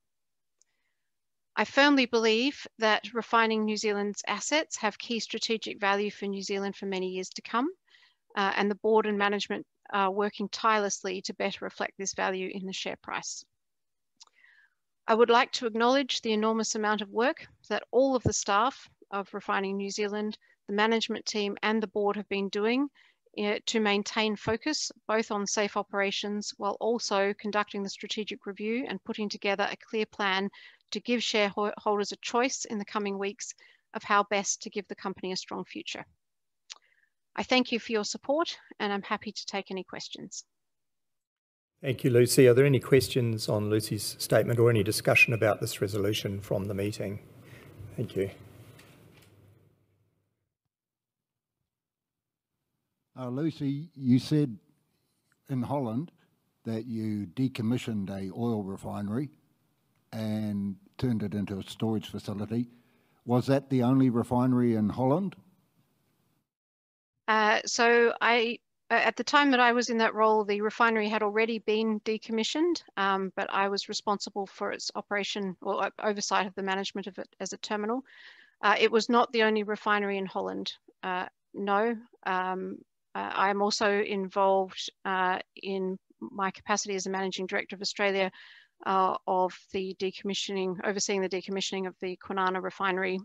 I firmly believe that Refining New Zealand's assets have key strategic value for New Zealand for many years to come, and the board and management are working tirelessly to better reflect this value in the share price. I would like to acknowledge the enormous amount of work that all of the staff of Refining New Zealand, the management team, and the board have been doing to maintain focus both on safe operations while also conducting the strategic review and putting together a clear plan to give shareholders a choice in the coming weeks of how best to give the company a strong future. I thank you for your support, and I'm happy to take any questions. Thank you, Lucy. Are there any questions on Lucy's statement or any discussion about this resolution from the meeting? Thank you. Lucy, you said in Holland that you decommissioned an oil refinery and turned it into a storage facility. Was that the only refinery in Holland? At the time that I was in that role, the refinery had already been decommissioned, but I was responsible for its operation, well, oversight of the management of it as a terminal. It was not the only refinery in Holland. No. I'm also involved, in my capacity as Managing Director of Australia, of overseeing the decommissioning of the Kwinana Refinery,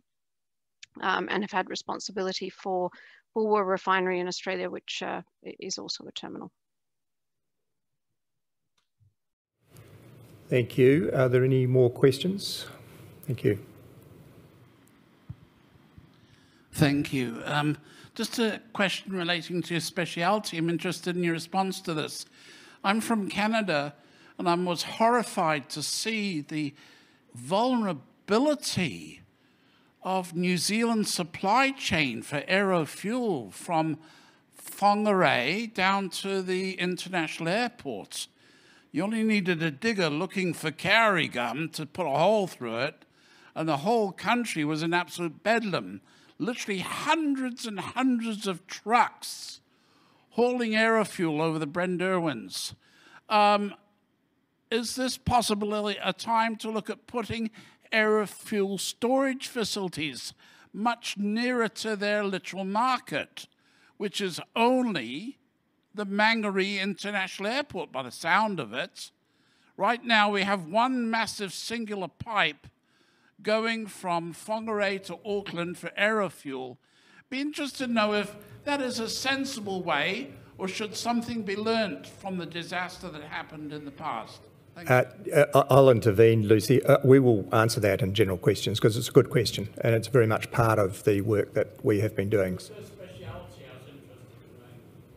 and have had responsibility for Bulwer Refinery in Australia, which is also a terminal. Thank you. Are there any more questions? Thank you. Thank you. Just a question relating to your specialty. I'm interested in your response to this. I'm from Canada, and I was horrified to see the vulnerability of New Zealand's supply chain for aero fuel from Whangarei down to the international airport. You only needed a digger looking for kauri gum to put a hole through it, and the whole country was in absolute bedlam. Literally hundreds and hundreds of trucks hauling aero fuel over the Brynderwyns. Is this possibly a time to look at putting aero fuel storage facilities much nearer to their literal market, which is only the Auckland International Airport by the sound of it. Right now, we have one massive singular pipe going from Whangarei to Auckland for aero fuel. I'd be interested to know if that is a sensible way or should something be learnt from the disaster that happened in the past. Thank you. I'll intervene, Lucy. We will answer that in general questions because it's a good question, and it's very much part of the work that we have been doing. It's her specialty. I was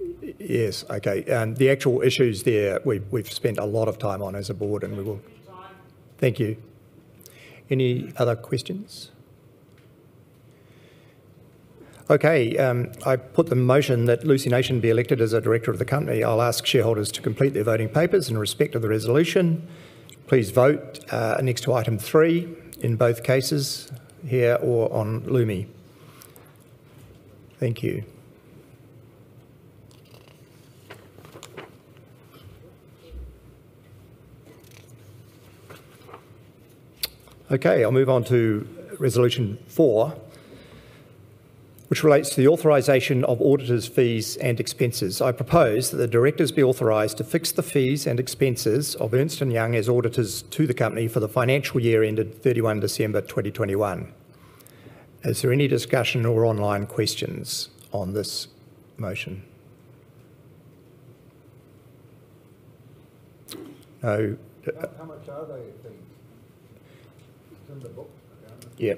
interested to know. Yes. Okay. The actual issues there we've spent a lot of time on as a board. Thank you for your time. Thank you. Any other questions? Okay. I put the motion that Lucy Nation be elected as a director of the company. I'll ask shareholders to complete their voting papers in respect of the resolution. Please vote next to item 3 in both cases, here or on Lumi. Thank you. Okay, I'll move on to resolution 4, which relates to the authorization of auditors' fees and expenses. I propose that the directors be authorized to fix the fees and expenses of Ernst & Young as auditors to the company for the financial year ended 31 December 2021. Is there any discussion or online questions on this motion? No. How much are their fees? It's in the book. Yeah.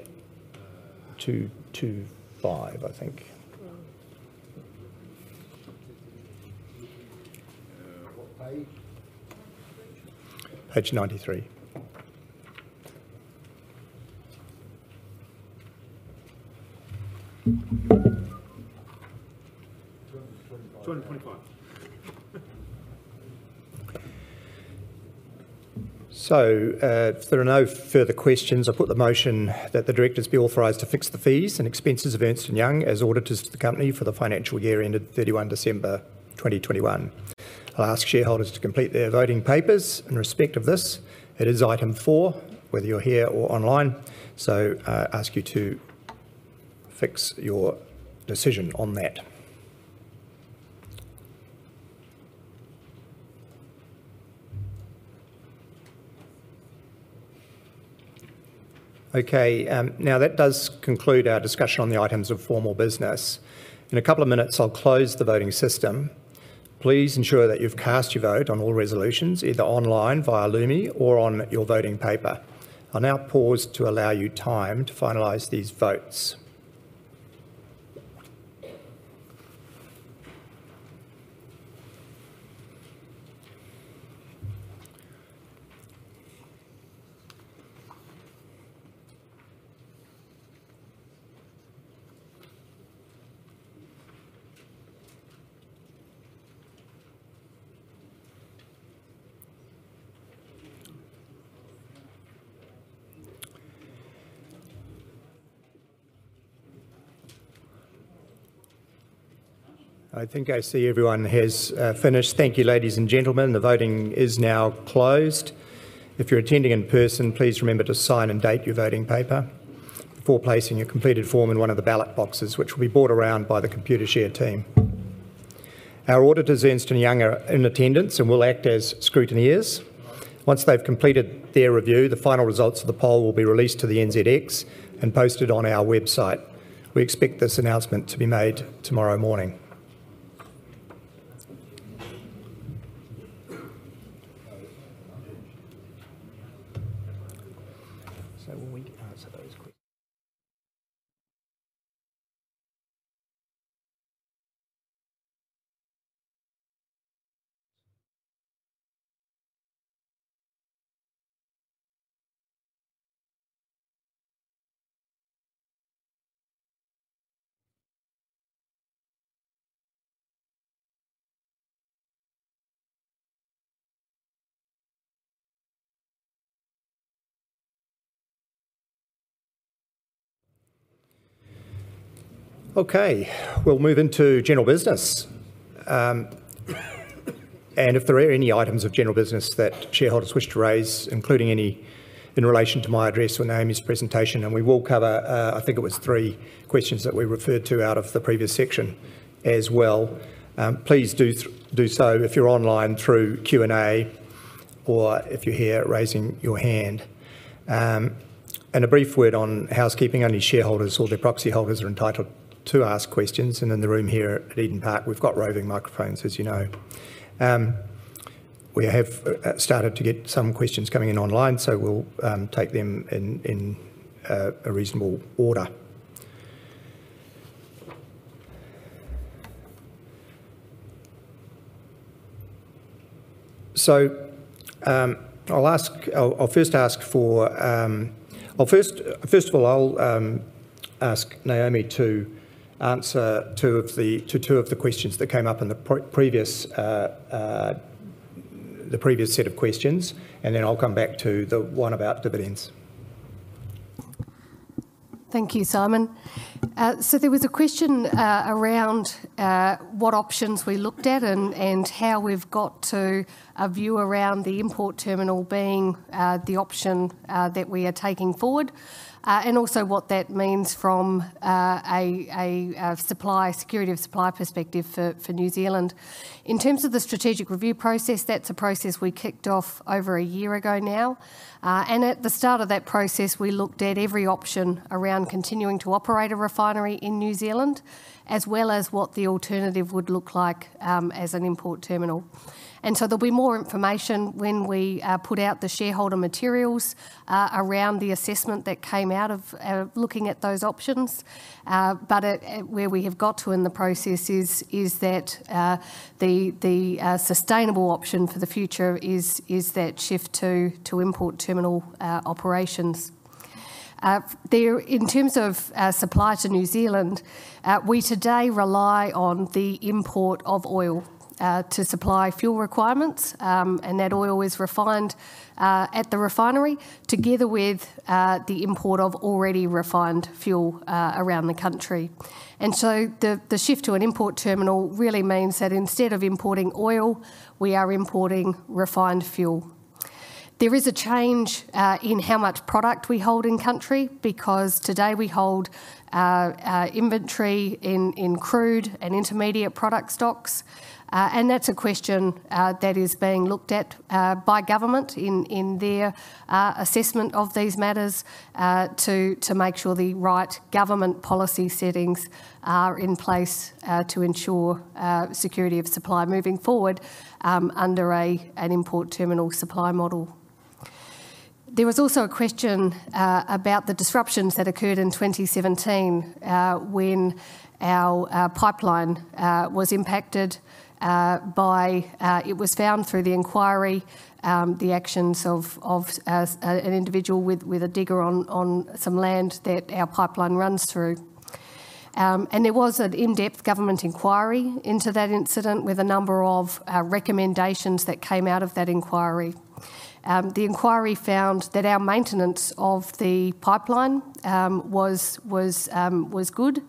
225, I think. What page? Page 93. 225. If there are no further questions, I put the motion that the directors be authorized to fix the fees and expenses of Ernst & Young as auditors to the company for the financial year ended 31 December 2021. I'll ask shareholders to complete their voting papers in respect of this. It is item 4, whether you're here or online. Ask you to fix your decision on that. Okay. Now, that does conclude our discussion on the items of formal business. In a couple of minutes, I'll close the voting system. Please ensure that you've cast your vote on all resolutions, either online via Lumi or on your voting paper. I'll now pause to allow you time to finalize these votes. I think I see everyone has finished. Thank you, ladies and gentlemen. The voting is now closed. If you're attending in person, please remember to sign and date your voting paper before placing your completed form in one of the ballot boxes, which will be brought around by the Computershare team. Our auditors, Ernst & Young, are in attendance and will act as scrutineers. Once they've completed their review, the final results of the poll will be released to the NZX and posted on our website. We expect this announcement to be made tomorrow morning. We can answer those questions. Okay, we'll move into general business. If there are any items of general business that shareholders wish to raise, including any in relation to my address or Naomi's presentation, and we will cover, I think it was three questions that we referred to out of the previous section as well. Please do so, if you're online through Q&A or if you're here raising your hand. A brief word on housekeeping. Only shareholders or their proxy holders are entitled to ask questions. In the room here at Eden Park, we've got roving microphones, as you know. We have started to get some questions coming in online, we'll take them in a reasonable order. First of all, I'll ask Naomi James to answer two of the questions that came up in the previous set of questions, then I'll come back to the one about dividends. Thank you, Simon. There was a question around what options we looked at and how we've got to a view around the import terminal being the option that we are taking forward, and also what that means from a security of supply perspective for New Zealand. In terms of the strategic review process, that's a process we kicked off over a year ago now. At the start of that process, we looked at every option around continuing to operate a refinery in New Zealand, as well as what the alternative would look like as an import terminal. There'll be more information when we put out the shareholder materials around the assessment that came out of looking at those options. Where we have got to in the process is that the sustainable option for the future is that shift to import terminal operations. In terms of supply to New Zealand, we today rely on the import of oil to supply fuel requirements. That oil is refined at the refinery together with the import of already refined fuel around the country. The shift to an import terminal really means that instead of importing oil, we are importing refined fuel. There is a change in how much product we hold in country because today we hold our inventory in crude and intermediate product stocks. That's a question that is being looked at by government in their assessment of these matters to make sure the right government policy settings are in place to ensure security of supply moving forward under an import terminal supply model. There was also a question about the disruptions that occurred in 2017 when our pipeline was impacted by, it was found through the inquiry, the actions of an individual with a digger on some land that our pipeline runs through. There was an in-depth government inquiry into that incident with a number of recommendations that came out of that inquiry. The inquiry found that our maintenance of the pipeline was good.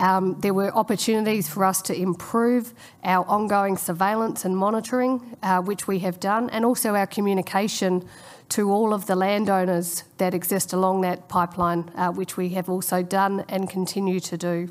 There were opportunities for us to improve our ongoing surveillance and monitoring, which we have done, and also our communication to all of the landowners that exist along that pipeline, which we have also done and continue to do.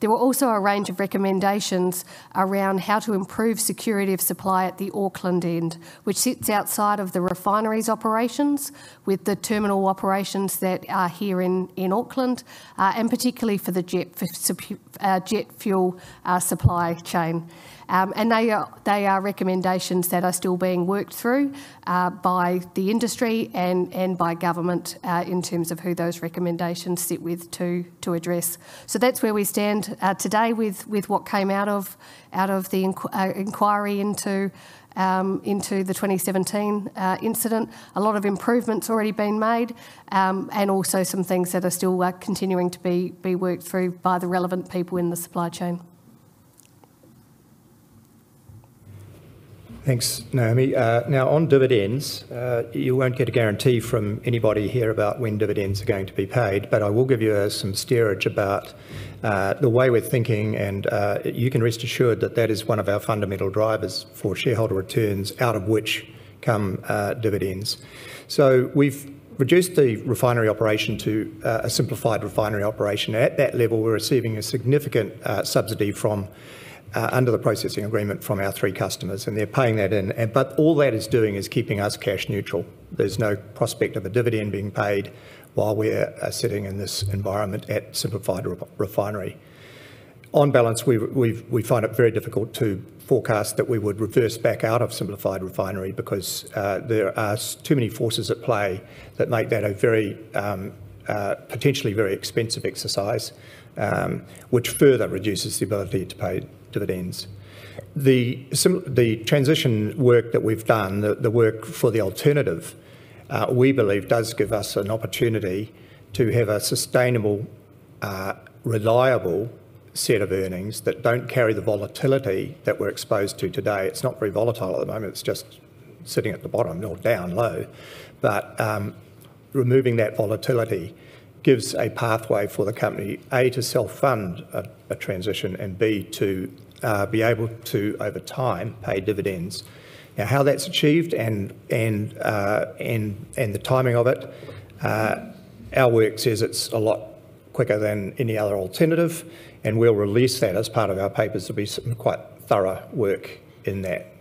There were also a range of recommendations around how to improve security of supply at the Auckland end, which sits outside of the refinery's operations with the terminal operations that are here in Auckland, and particularly for the jet fuel supply chain. They are recommendations that are still being worked through by the industry and by government in terms of who those recommendations sit with to address. That's where we stand today with what came out of the inquiry into the 2017 incident. A lot of improvements have already been made, and also some things that are still continuing to be worked through by the relevant people in the supply chain. Thanks, Naomi. On dividends, you won't get a guarantee from anybody here about when dividends are going to be paid, but I will give you some steerage about the way we're thinking, and you can rest assured that that is one of our fundamental drivers for shareholder returns, out of which come dividends. We've reduced the refinery operation to a simplified refinery operation. At that level, we're receiving a significant subsidy under the processing agreement from our three customers, and they're paying that in. All that is doing is keeping us cash neutral. There's no prospect of a dividend being paid while we're sitting in this environment at simplified refinery. On balance, we find it very difficult to forecast that we would reverse back out of simplified refinery because there are too many forces at play that make that a potentially very expensive exercise, which further reduces the ability to pay dividends. The transition work that we've done, the work for the alternative, we believe does give us an opportunity to have a sustainable, reliable set of earnings that don't carry the volatility that we're exposed to today. It's not very volatile at the moment. It's just sitting at the bottom, not down low. Removing that volatility gives a pathway for the company, A, to self-fund a transition and, B, to be able to, over time, pay dividends. how that's achieved and the timing of it, our work says it's a lot quicker than any other alternative, and we'll release that as part of our papers. There'll be some quite thorough work in that.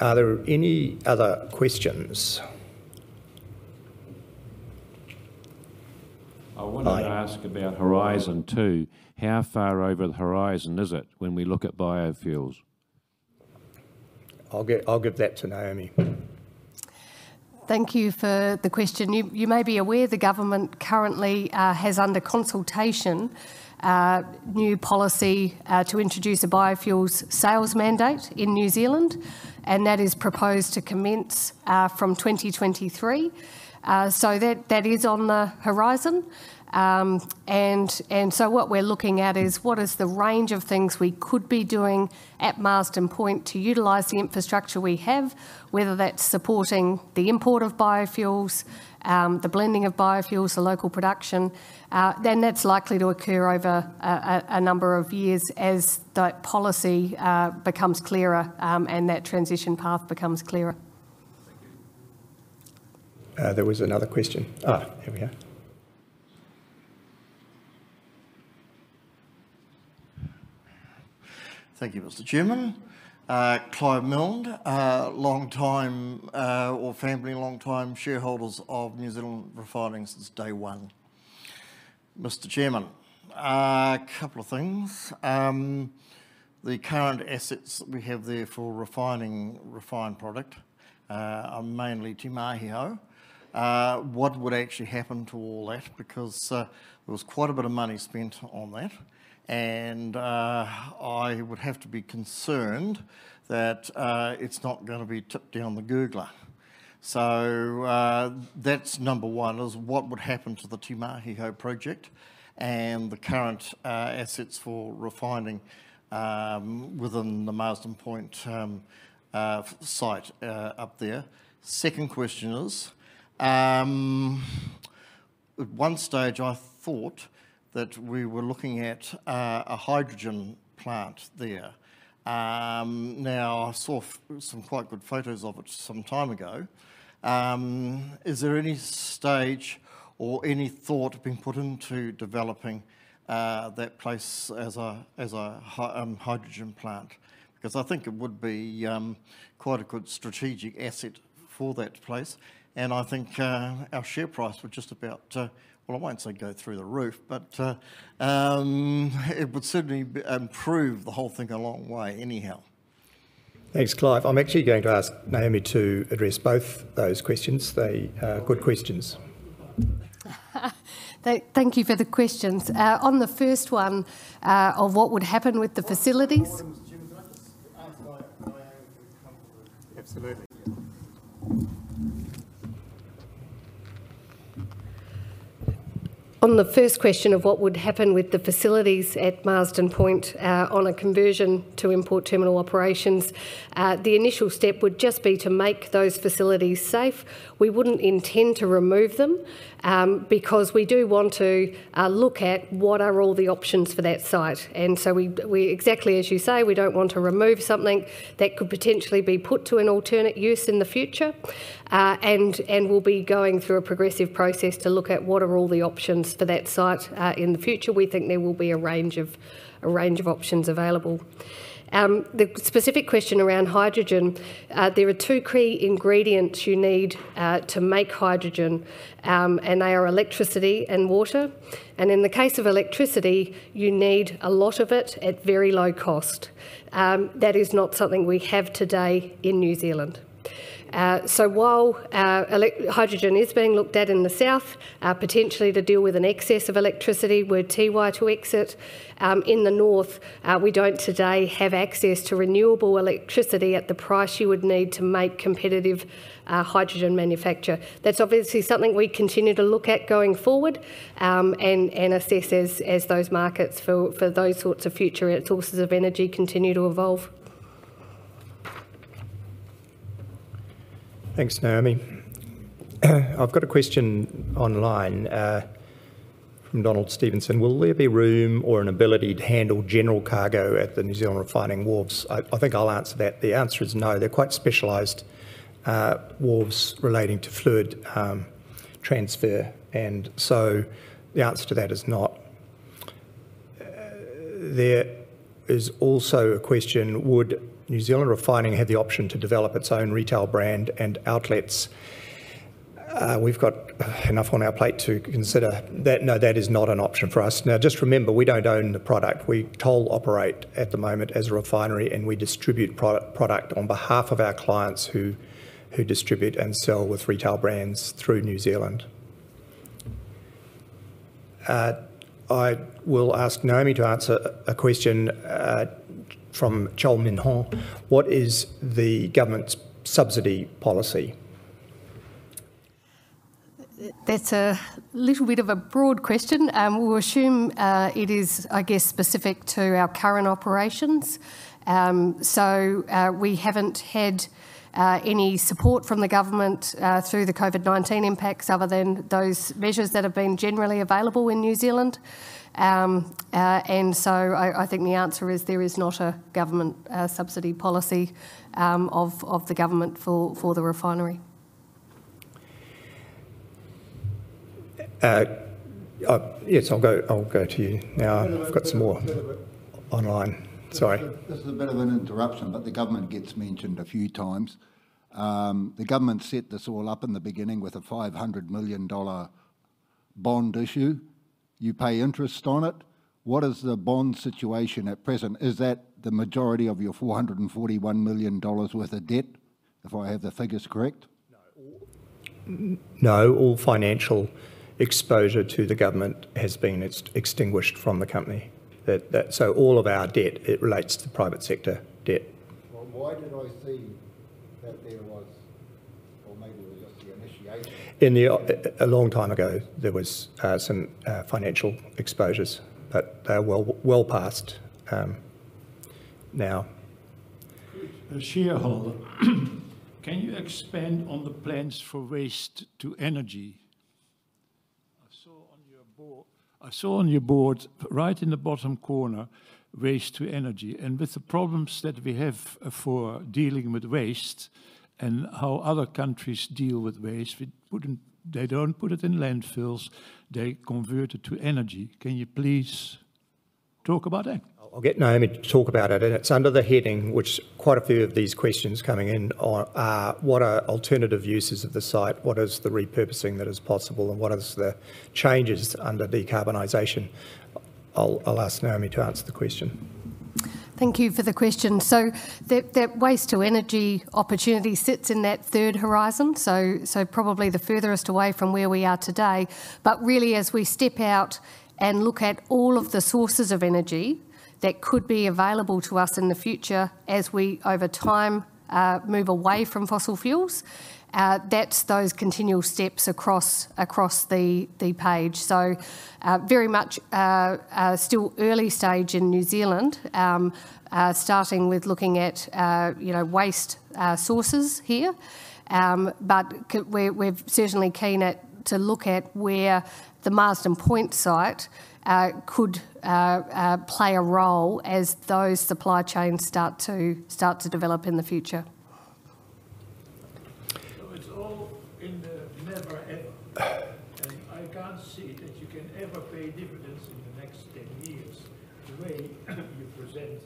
Are there any other questions? I wanted to ask about horizon 2. How far over the horizon is it when we look at biofuels? I'll give that to Naomi. Thank you for the question. You may be aware the government currently has under consultation a new policy to introduce a biofuels sales mandate in New Zealand, and that is proposed to commence from 2023. That is on the horizon. What we're looking at is what is the range of things we could be doing at Marsden Point to utilize the infrastructure we have, whether that's supporting the import of biofuels, the blending of biofuels for local production. That's likely to occur over a number of years as that policy becomes clearer, and that transition path becomes clearer. There was another question. Here we are. Thank you, Mr. Chairman. Clive Miln. Our family, long-time shareholders of Refining New Zealand since day 1. Mr. Chairman, a couple of things. The current assets that we have there for refining refined product are mainly Te Mahi Hou. What would actually happen to all that? Because there was quite a bit of money spent on that, and I would have to be concerned that it's not going to be tipped down the gurgler. That's number 1 is what would happen to the Te Mahi Hou project and the current assets for refining within the Marsden Point site up there. Second question is, at 1 stage, I thought that we were looking at a hydrogen plant there. I saw some quite good photos of it some time ago. Is there any stage or any thought being put into developing that place as a hydrogen plant? I think it would be quite a good strategic asset for that place, and I think our share price would just about, well, I won't say go through the roof, but it would certainly improve the whole thing a long way anyhow. Thanks, Clive. I'm actually going to ask Naomi to address both those questions. They are quick questions. Thank you for the questions. On the first one, on what would happen with the facilities. Just as I've covered. Absolutely. On the first question of what would happen with the facilities at Marsden Point on a conversion to import terminal operations, the initial step would just be to make those facilities safe. We wouldn't intend to remove them because we do want to look at what are all the options for that site. Exactly as you say, we don't want to remove something that could potentially be put to an alternate use in the future, and we'll be going through a progressive process to look at what are all the options for that site. In future, we think there will be a range of options available. The specific question around hydrogen, there are two key ingredients you need to make hydrogen, and they are electricity and water. In the case of electricity, you need a lot of it at very low cost. That is not something we have today in New Zealand. While hydrogen is being looked at in the south, potentially to deal with an excess of electricity with Tiwai to exit, in the north, we don't today have access to renewable electricity at the price you would need to make competitive hydrogen manufacture. That's obviously something we continue to look at going forward, and assess as those markets for those sorts of future sources of energy continue to evolve Thanks, Naomi. I've got a question online from Donald Stevenson: Will there be room or an ability to handle general cargo at the Refining New Zealand wharves? I think I'll answer that. The answer is no. They're quite specialized wharves relating to fluid transfer, and so the answer to that is not. There is also a question, would Refining New Zealand have the option to develop its own retail brand and outlets? We've got enough on our plate to consider. No, that is not an option for us. Now, just remember, we don't own the product. We toll operate at the moment as a refinery, and we distribute product on behalf of our clients who distribute and sell with retail brands through New Zealand. I will ask Naomi to answer a question from Joe Minhor. What is the government's subsidy policy? That's a little bit of a broad question. We'll assume it is, I guess, specific to our current operations. We haven't had any support from the government through the COVID-19 impacts other than those measures that have been generally available in New Zealand. I think the answer is there is not a government subsidy policy of the government for the refinery. Yes, I'll go to you now. Got some more online. Sorry. This is a bit of an interruption, but the government gets mentioned a few times. The government set this all up in the beginning with a 500 million dollar bond issue. You pay interest on it. What is the bond situation at present? Is that the majority of your 441 million dollars worth of debt, if I have the figures correct? No. All financial exposure to the government has been extinguished from the company. All of our debt, it relates to private sector debt. Why did I see that there was, or maybe it was just the initiation. A long time ago, there was some financial exposures, but they're well past now. Can you expand on the plans for waste to energy? I saw on your board, right in the bottom corner, waste to energy. With the problems that we have for dealing with waste and how other countries deal with waste, they don't put it in landfills, they convert it to energy. Can you please talk about that. I'll get Naomi to talk about it. It's under the heading, which quite a few of these questions coming in on. What are alternative uses of the site? What is the repurposing that is possible, and what is the changes under decarbonization? I'll ask Naomi to answer the question. Thank you for the question. That waste to energy opportunity sits in that third horizon. Probably the furthest away from where we are today. Really, as we step out and look at all of the sources of energy that could be available to us in the future as we, over time, move away from fossil fuels, that's those continual steps across the page. Very much still early stage in New Zealand, starting with looking at waste sources here. We're certainly keen to look at where the Marsden Point site could play a role as those supply chains start to develop in the future. It's all in the never end. I can't see that you can ever pay dividends in the next 10 years the way you present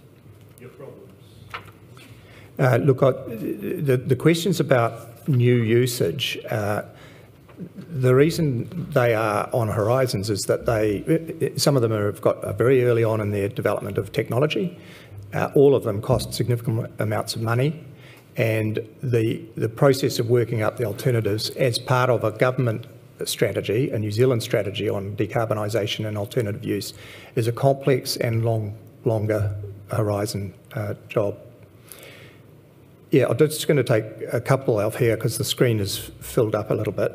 your problems. Look, the questions about new usage, the reason they are on horizons is that some of them are very early on in their development of technology. All of them cost significant amounts of money. The process of working out the alternatives as part of a government strategy, a New Zealand strategy on decarbonization and alternative use, is a complex and longer horizon job. Yeah, I'm just going to take a couple off here because the screen is filled up a little bit.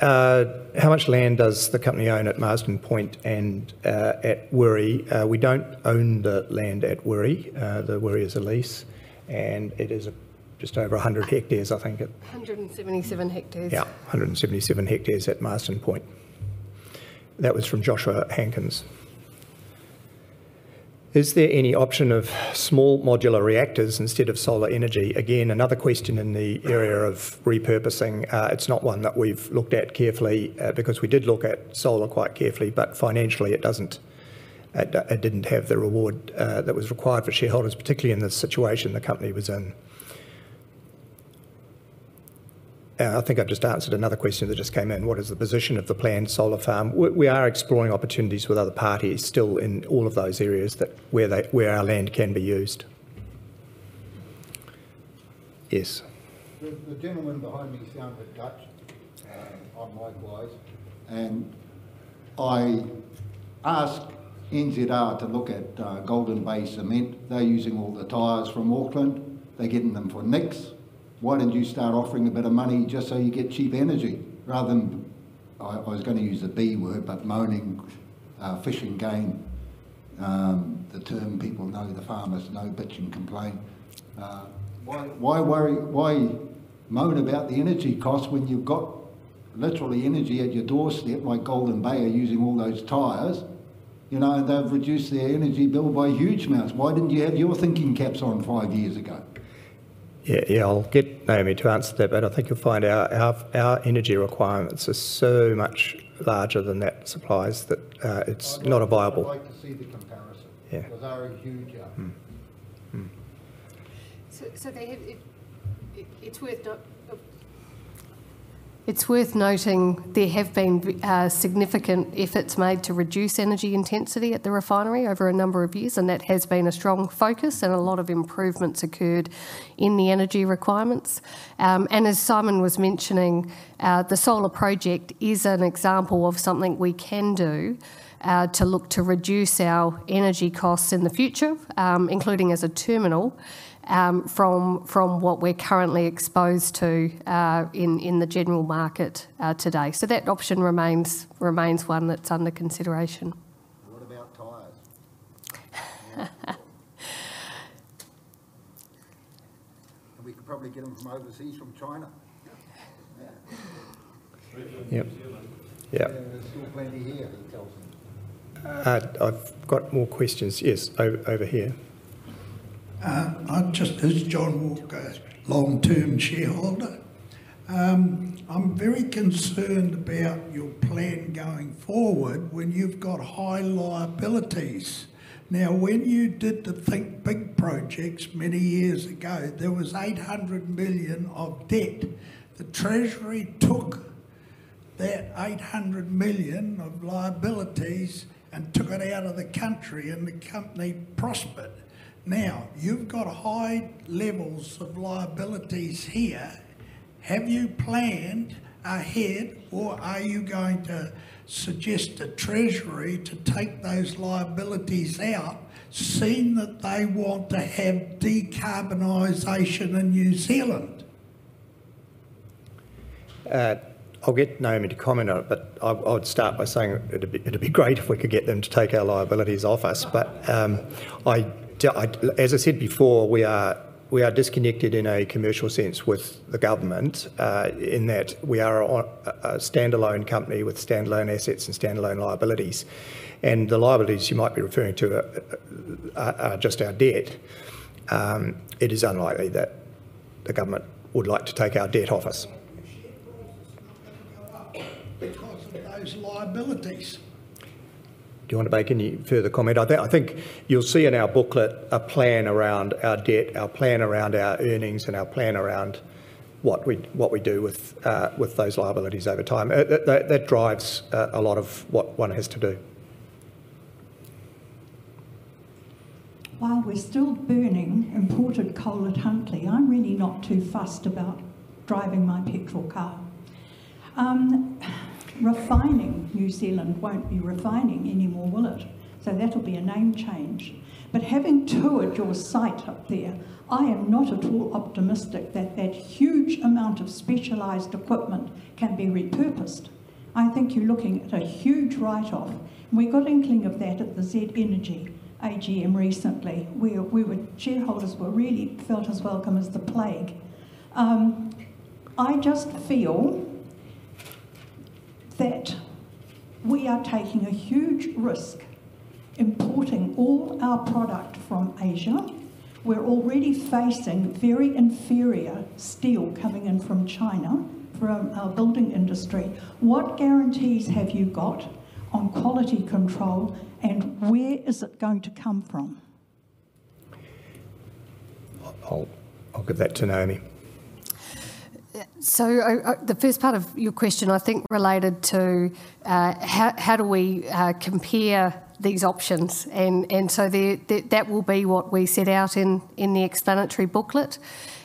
How much land does the company own at Marsden Point and at Wiri? We don't own the land at Wiri. The Wiri is a lease. It is just over 100 hectares, I think. 177 hectares. Yeah, 177 hectares at Marsden Point. That was from Joshua Hankins. Is there any option of small modular reactors instead of solar energy? Again, another question in the area of repurposing. It's not one that we've looked at carefully, because we did look at solar quite carefully, but financially, it didn't have the reward that was required for shareholders, particularly in the situation the company was in. I think I've just answered another question that just came in. What is the position of the planned solar farm? We are exploring opportunities with other parties still in all of those areas where our land can be used. Yes. The gentleman behind me sounded Dutch, I might be biased. I asked NZR to look at Golden Bay Cement. They're using all the tires from Auckland. They're getting them for next to nothing. Why don't you start offering a bit of money just so you get cheap energy rather than, I was going to use the B word, but moaning,[fishing game]. The term people know, the farmers know, bitch and complain. Why moan about the energy cost when you've got literally energy at your doorstep like Golden Bay are using all those tires? They've reduced their energy bill by huge amounts. Why didn't you have your thinking caps on 5 years ago? Yeah, I'll get Naomi to answer that, but I think you'll find our energy requirements are so much larger than that supply that it's not viable. I'd like to see the comparison. Yeah. Because they're a huge user. It's worth noting there have been significant efforts made to reduce energy intensity at the refinery over a number of years, and that has been a strong focus and a lot of improvements occurred in the energy requirements. As Simon was mentioning, the solar project is an example of something we can do to look to reduce our energy costs in the future, including as a terminal, from what we're currently exposed to in the general market today. That option remains one that's under consideration. What about tires? We could probably get them from overseas, from China. Yeah. There's still plenty here that tells me. I've got more questions. Yes, over here. This is John Walker, long-term shareholder. I'm very concerned about your plan going forward when you've got high liabilities. Now, when you did the Think Big projects many years ago, there was 800 million of debt. The Treasury took that 800 million of liabilities and took it out of the country. The company prospered. Now, you've got high levels of liabilities here. Have you planned ahead, or are you going to suggest to Treasury to take those liabilities out, seeing that they want to have decarbonization in New Zealand? I'll get Naomi to comment on it, I'd start by saying it would be great if we could get them to take our liabilities off us. As I said before, we are disconnected in a commercial sense with the government, in that we are a standalone company with standalone assets and standalone liabilities. The liabilities you might be referring to are just our debt. It is unlikely that the government would like to take our debt off us. Share prices are going to go up because of those liabilities. Do you want to make any further comment? I think you'll see in our booklet a plan around our debt, our plan around our earnings, and our plan around what we do with those liabilities over time. That drives a lot of what one has to do. While we're still burning imported coal at Huntly, I'm really not too fussed about driving my petrol car. Refining New Zealand won't be refining anymore, will it? That'll be a name change. Having toured your site up there, I am not at all optimistic that that huge amount of specialized equipment can be repurposed. I think you're looking at a huge write-off. We got a thinking of that at the Z Energy AGM recently, where shareholders were really felt as welcome as the plague. I just feel that we are taking a huge risk importing all our product from Asia. We're already facing very inferior steel coming in from China for our building industry. What guarantees have you got on quality control, and where is it going to come from? I'll give that to Naomi. The first part of your question, I think, related to how do we compare these options, that will be what we set out in the explanatory booklet,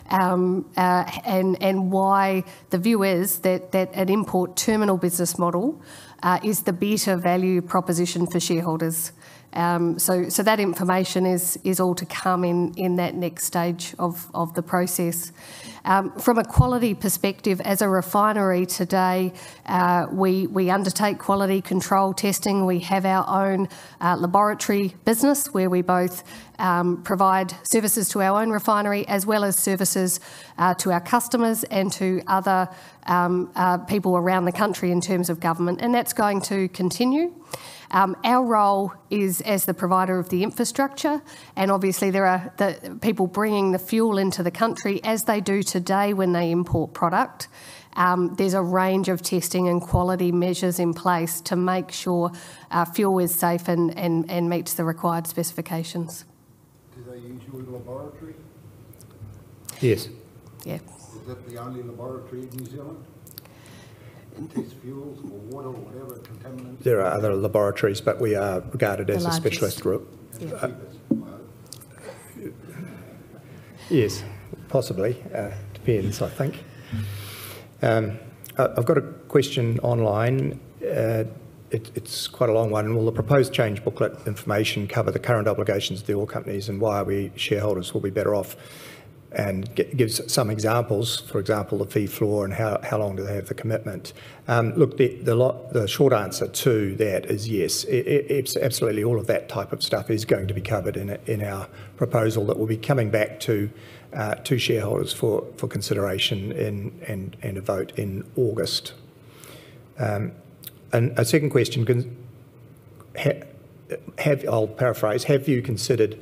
the view is that an import terminal business model is the better value proposition for shareholders. That information is all to come in that next stage of the process. From a quality perspective, as a refinery today, we undertake quality control testing. We have our own laboratory business where we both provide services to our own refinery as well as services to our customers and to other people around the country in terms of government, that's going to continue. Our role is as the provider of the infrastructure, there are people bringing the fuel into the country as they do today when they import product. There's a range of testing and quality measures in place to make sure our fuel is safe and meets the required specifications. Do they use your laboratory? Yes. Yes. Is that the only laboratory in New Zealand? Who tests fuels for whatever contaminants- There are other laboratories, but we are regarded as a specialist group. Laboratories. To do this work. Yes, possibly. Depends, I think. I've got a question online. It's quite a long one. Will the proposed change booklet information cover the current obligations to oil companies and why we shareholders will be better off? It gives some examples, for example, the fee floor and how long do they have the commitment. Look, the short answer to that is yes. Absolutely all of that type of stuff is going to be covered in our proposal that we'll be coming back to shareholders for consideration and a vote in August. A second question, I'll paraphrase, have you considered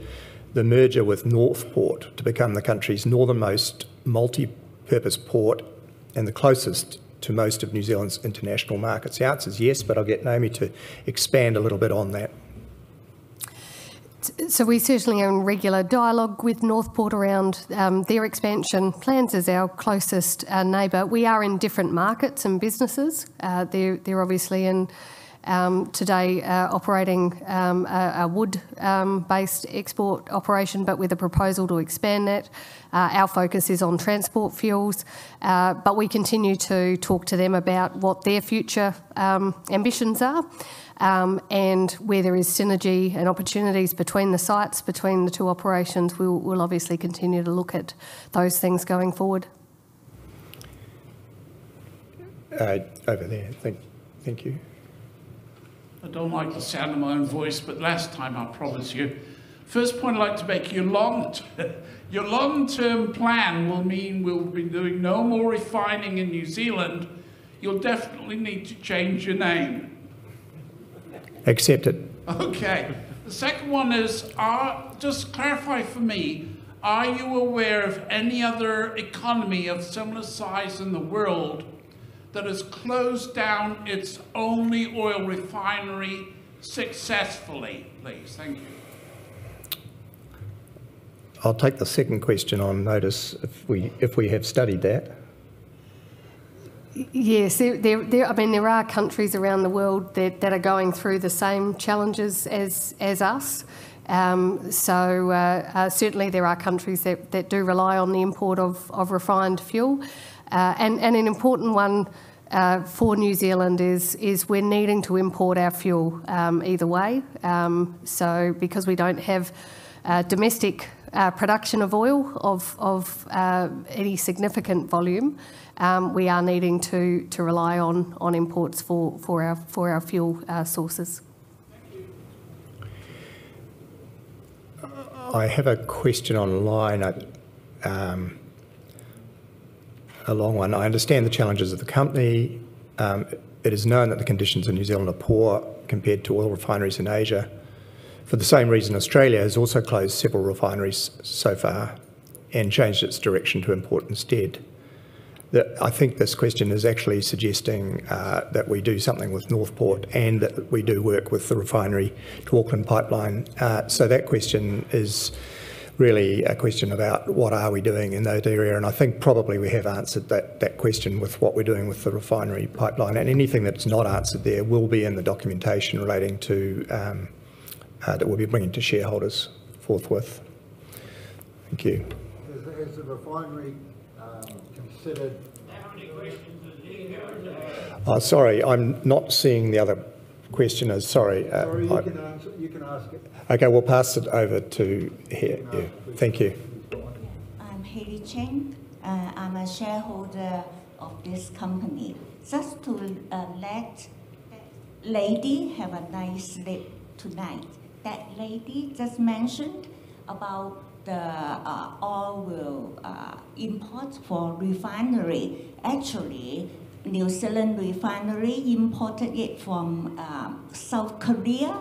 the merger with Northport to become the country's northernmost multipurpose port and the closest to most of New Zealand's international markets? The answer's yes, but I'll get Naomi to expand a little bit on that. We're certainly in regular dialogue with Northport around their expansion plans as our closest neighbor. We are in different markets and businesses. They're obviously today operating a wood-based export operation, but with a proposal to expand that. Our focus is on transport fuels. We continue to talk to them about what their future ambitions are, and where there is synergy and opportunities between the sites, between the two operations. We'll obviously continue to look at those things going forward. Over there. Thank you. I don't like the sound of my own voice, but last time, I promise you. First point I'd like to make, your long-term plan will mean we'll be doing no more refining in New Zealand. You'll definitely need to change your name. Accepted. The second one is, just clarify for me, are you aware of any other economy of similar size in the world that has closed down its only oil refinery successfully, please? Thank you. I'll take the second question on notice if we have studied that. Yes. There are countries around the world that are going through the same challenges as us. Certainly there are countries that do rely on the import of refined fuel. An important one for New Zealand is we're needing to import our fuel either way. Because we don't have domestic production of oil of any significant volume, we are needing to rely on imports for our fuel sources. I have a question online, a long one. I understand the challenges of the company. It is known that the conditions in New Zealand are poor compared to oil refineries in Asia. For the same reason, Australia has also closed several refineries so far and changed its direction to import instead. I think this question is actually suggesting that we do something with Northport and that we do work with the Refinery to Auckland Pipeline. That question is really a question about what are we doing in that area, and I think probably we have answered that question with what we're doing with the refinery pipeline. Anything that's not answered there will be in the documentation relating to that we'll be bringing to shareholders forthwith. Thank you. Has the Marsden refinery considered- How many questions has he got today? Sorry, I'm not seeing the other question. Sorry. Sorry, you can ask it. Okay, we'll pass it over to here. Yeah. Thank you. I'm Haley Cheng. I'm a shareholder of this company. Just to let lady have a nice sleep tonight. That lady just mentioned about the oil imports for refinery. Actually, New Zealand refinery imported it from South Korea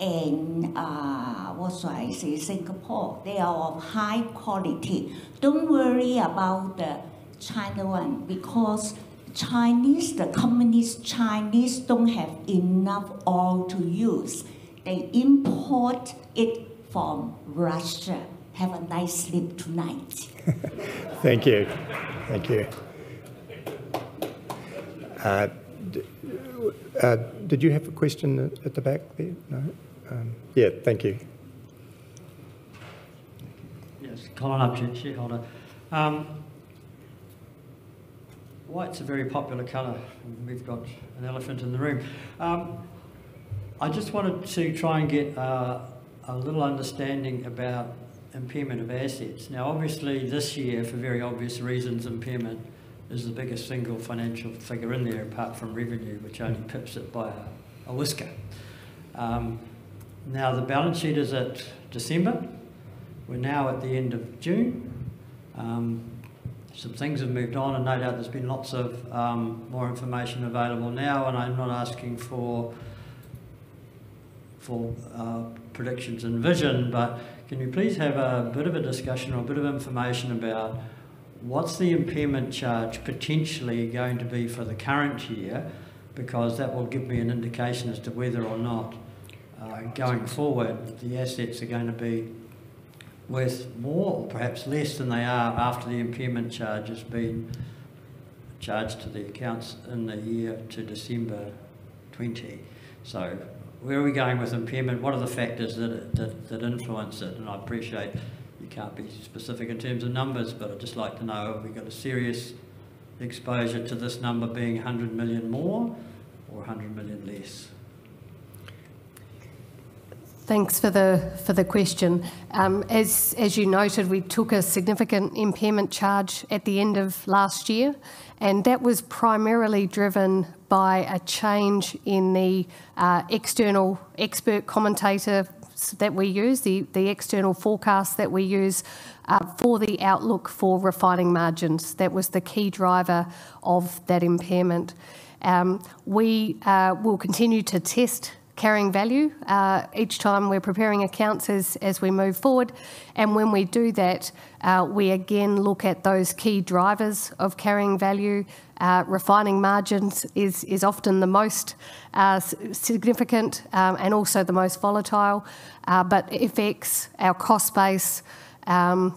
and, what should I say, Singapore. They are of high quality. Don't worry about the China one because Chinese, the communist Chinese, don't have enough oil to use. They import it from Russia. Have a nice sleep tonight. Thank you. Did you have a question at the back there? No. Yeah. Thank you. Yes. Colin Archer, shareholder. White's a very popular color, and we've got an elephant in the room. I just wanted to try and get a little understanding about impairment of assets. Now, obviously, this year, for very obvious reasons, impairment is the biggest single financial figure in there, apart from revenue, which only pips it by a whisker. Now, the balance sheet is at December. We're now at the end of June. Some things have moved on and no doubt there's been lots of more information available now, and I'm not asking for predictions and vision. Can you please have a bit of a discussion or a bit of information about what's the impairment charge potentially going to be for the current year? That will give me an indication as to whether or not, going forward, the assets are going to be worth more or perhaps less than they are after the impairment charge has been charged to the accounts in the year to December 2020. Where are we going with impairment? What are the factors that influence it? I appreciate you can't be specific in terms of numbers, but I'd just like to know, have we got a serious exposure to this number being 100 million more or 100 million less? Thanks for the question. As you noted, we took a significant impairment charge at the end of last year, and that was primarily driven by a change in the external expert commentators that we use, the external forecast that we use for the outlook for refining margins. That was the key driver of that impairment. We will continue to test carrying value each time we're preparing accounts as we move forward. When we do that, we again look at those key drivers of carrying value. Refining margins is often the most significant and also the most volatile, but FX, our cost base, and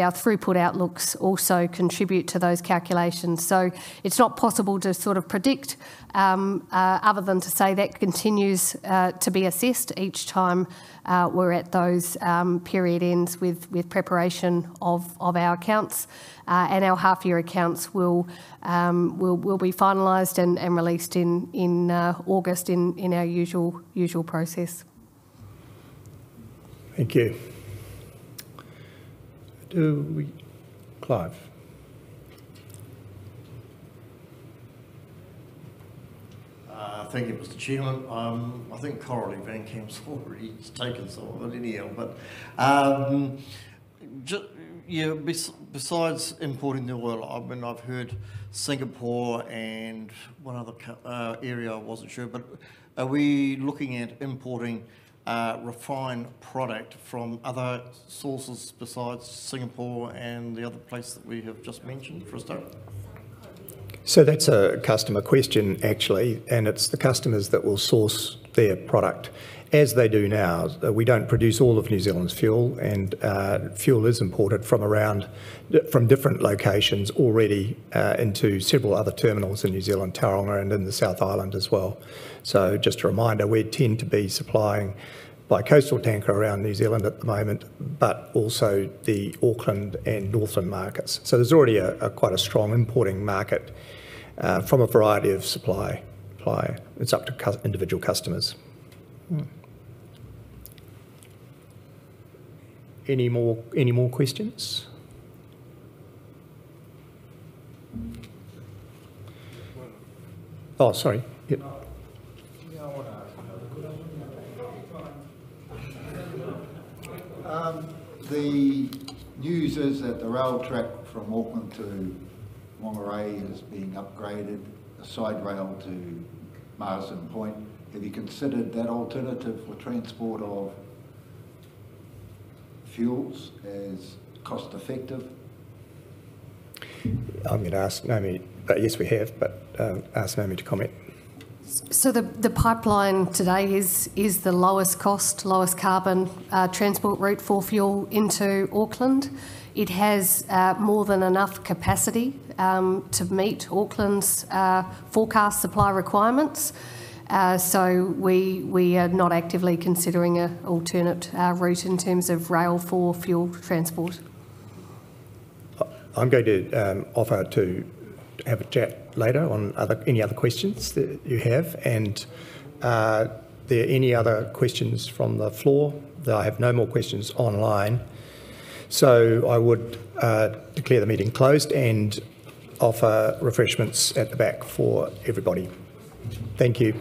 our throughput outlooks also contribute to those calculations. It's not possible to predict other than to say that continues to be assessed each time we're at those period ends with preparation of our accounts. Our half-year accounts will be finalized and released in August in our usual process. Thank you. Clive. Thank you, Mr. Chairman. I think Kylie van Kamp's already taken some of it anyhow. Besides importing the oil, I've heard Singapore and one other area I wasn't sure, but are we looking at importing refined product from other sources besides Singapore and the other place that we have just mentioned, [Tristan]? That's a customer question, actually, and it's the customers that will source their product, as they do now. We don't produce all of New Zealand's fuel, and fuel is imported from different locations already into several other terminals in New Zealand, Tauranga and in the South Island as well. Just a reminder, we tend to be supplying by coastal tanker around New Zealand at the moment, but also the Auckland and Northland markets. There's already quite a strong importing market from a variety of supply. It's up to individual customers. Any more questions? Oh, sorry. Yep. No, I want to ask another question. The news is that the rail track from Auckland to Whangarei is being upgraded, a side rail to Marsden Point. Have you considered that alternative for transport of fuels as cost-effective? Yes, we have, but I'll ask Naomi to comment. The pipeline today is the lowest cost, lowest carbon transport route for fuel into Auckland. It has more than enough capacity to meet Auckland's forecast supply requirements. We are not actively considering an alternate route in terms of rail for fuel transport. I'm going to offer to have a chat later on any other questions that you have. Are there any other questions from the floor? I have no more questions online. I would declare the meeting closed and offer refreshments at the back for everybody. Thank you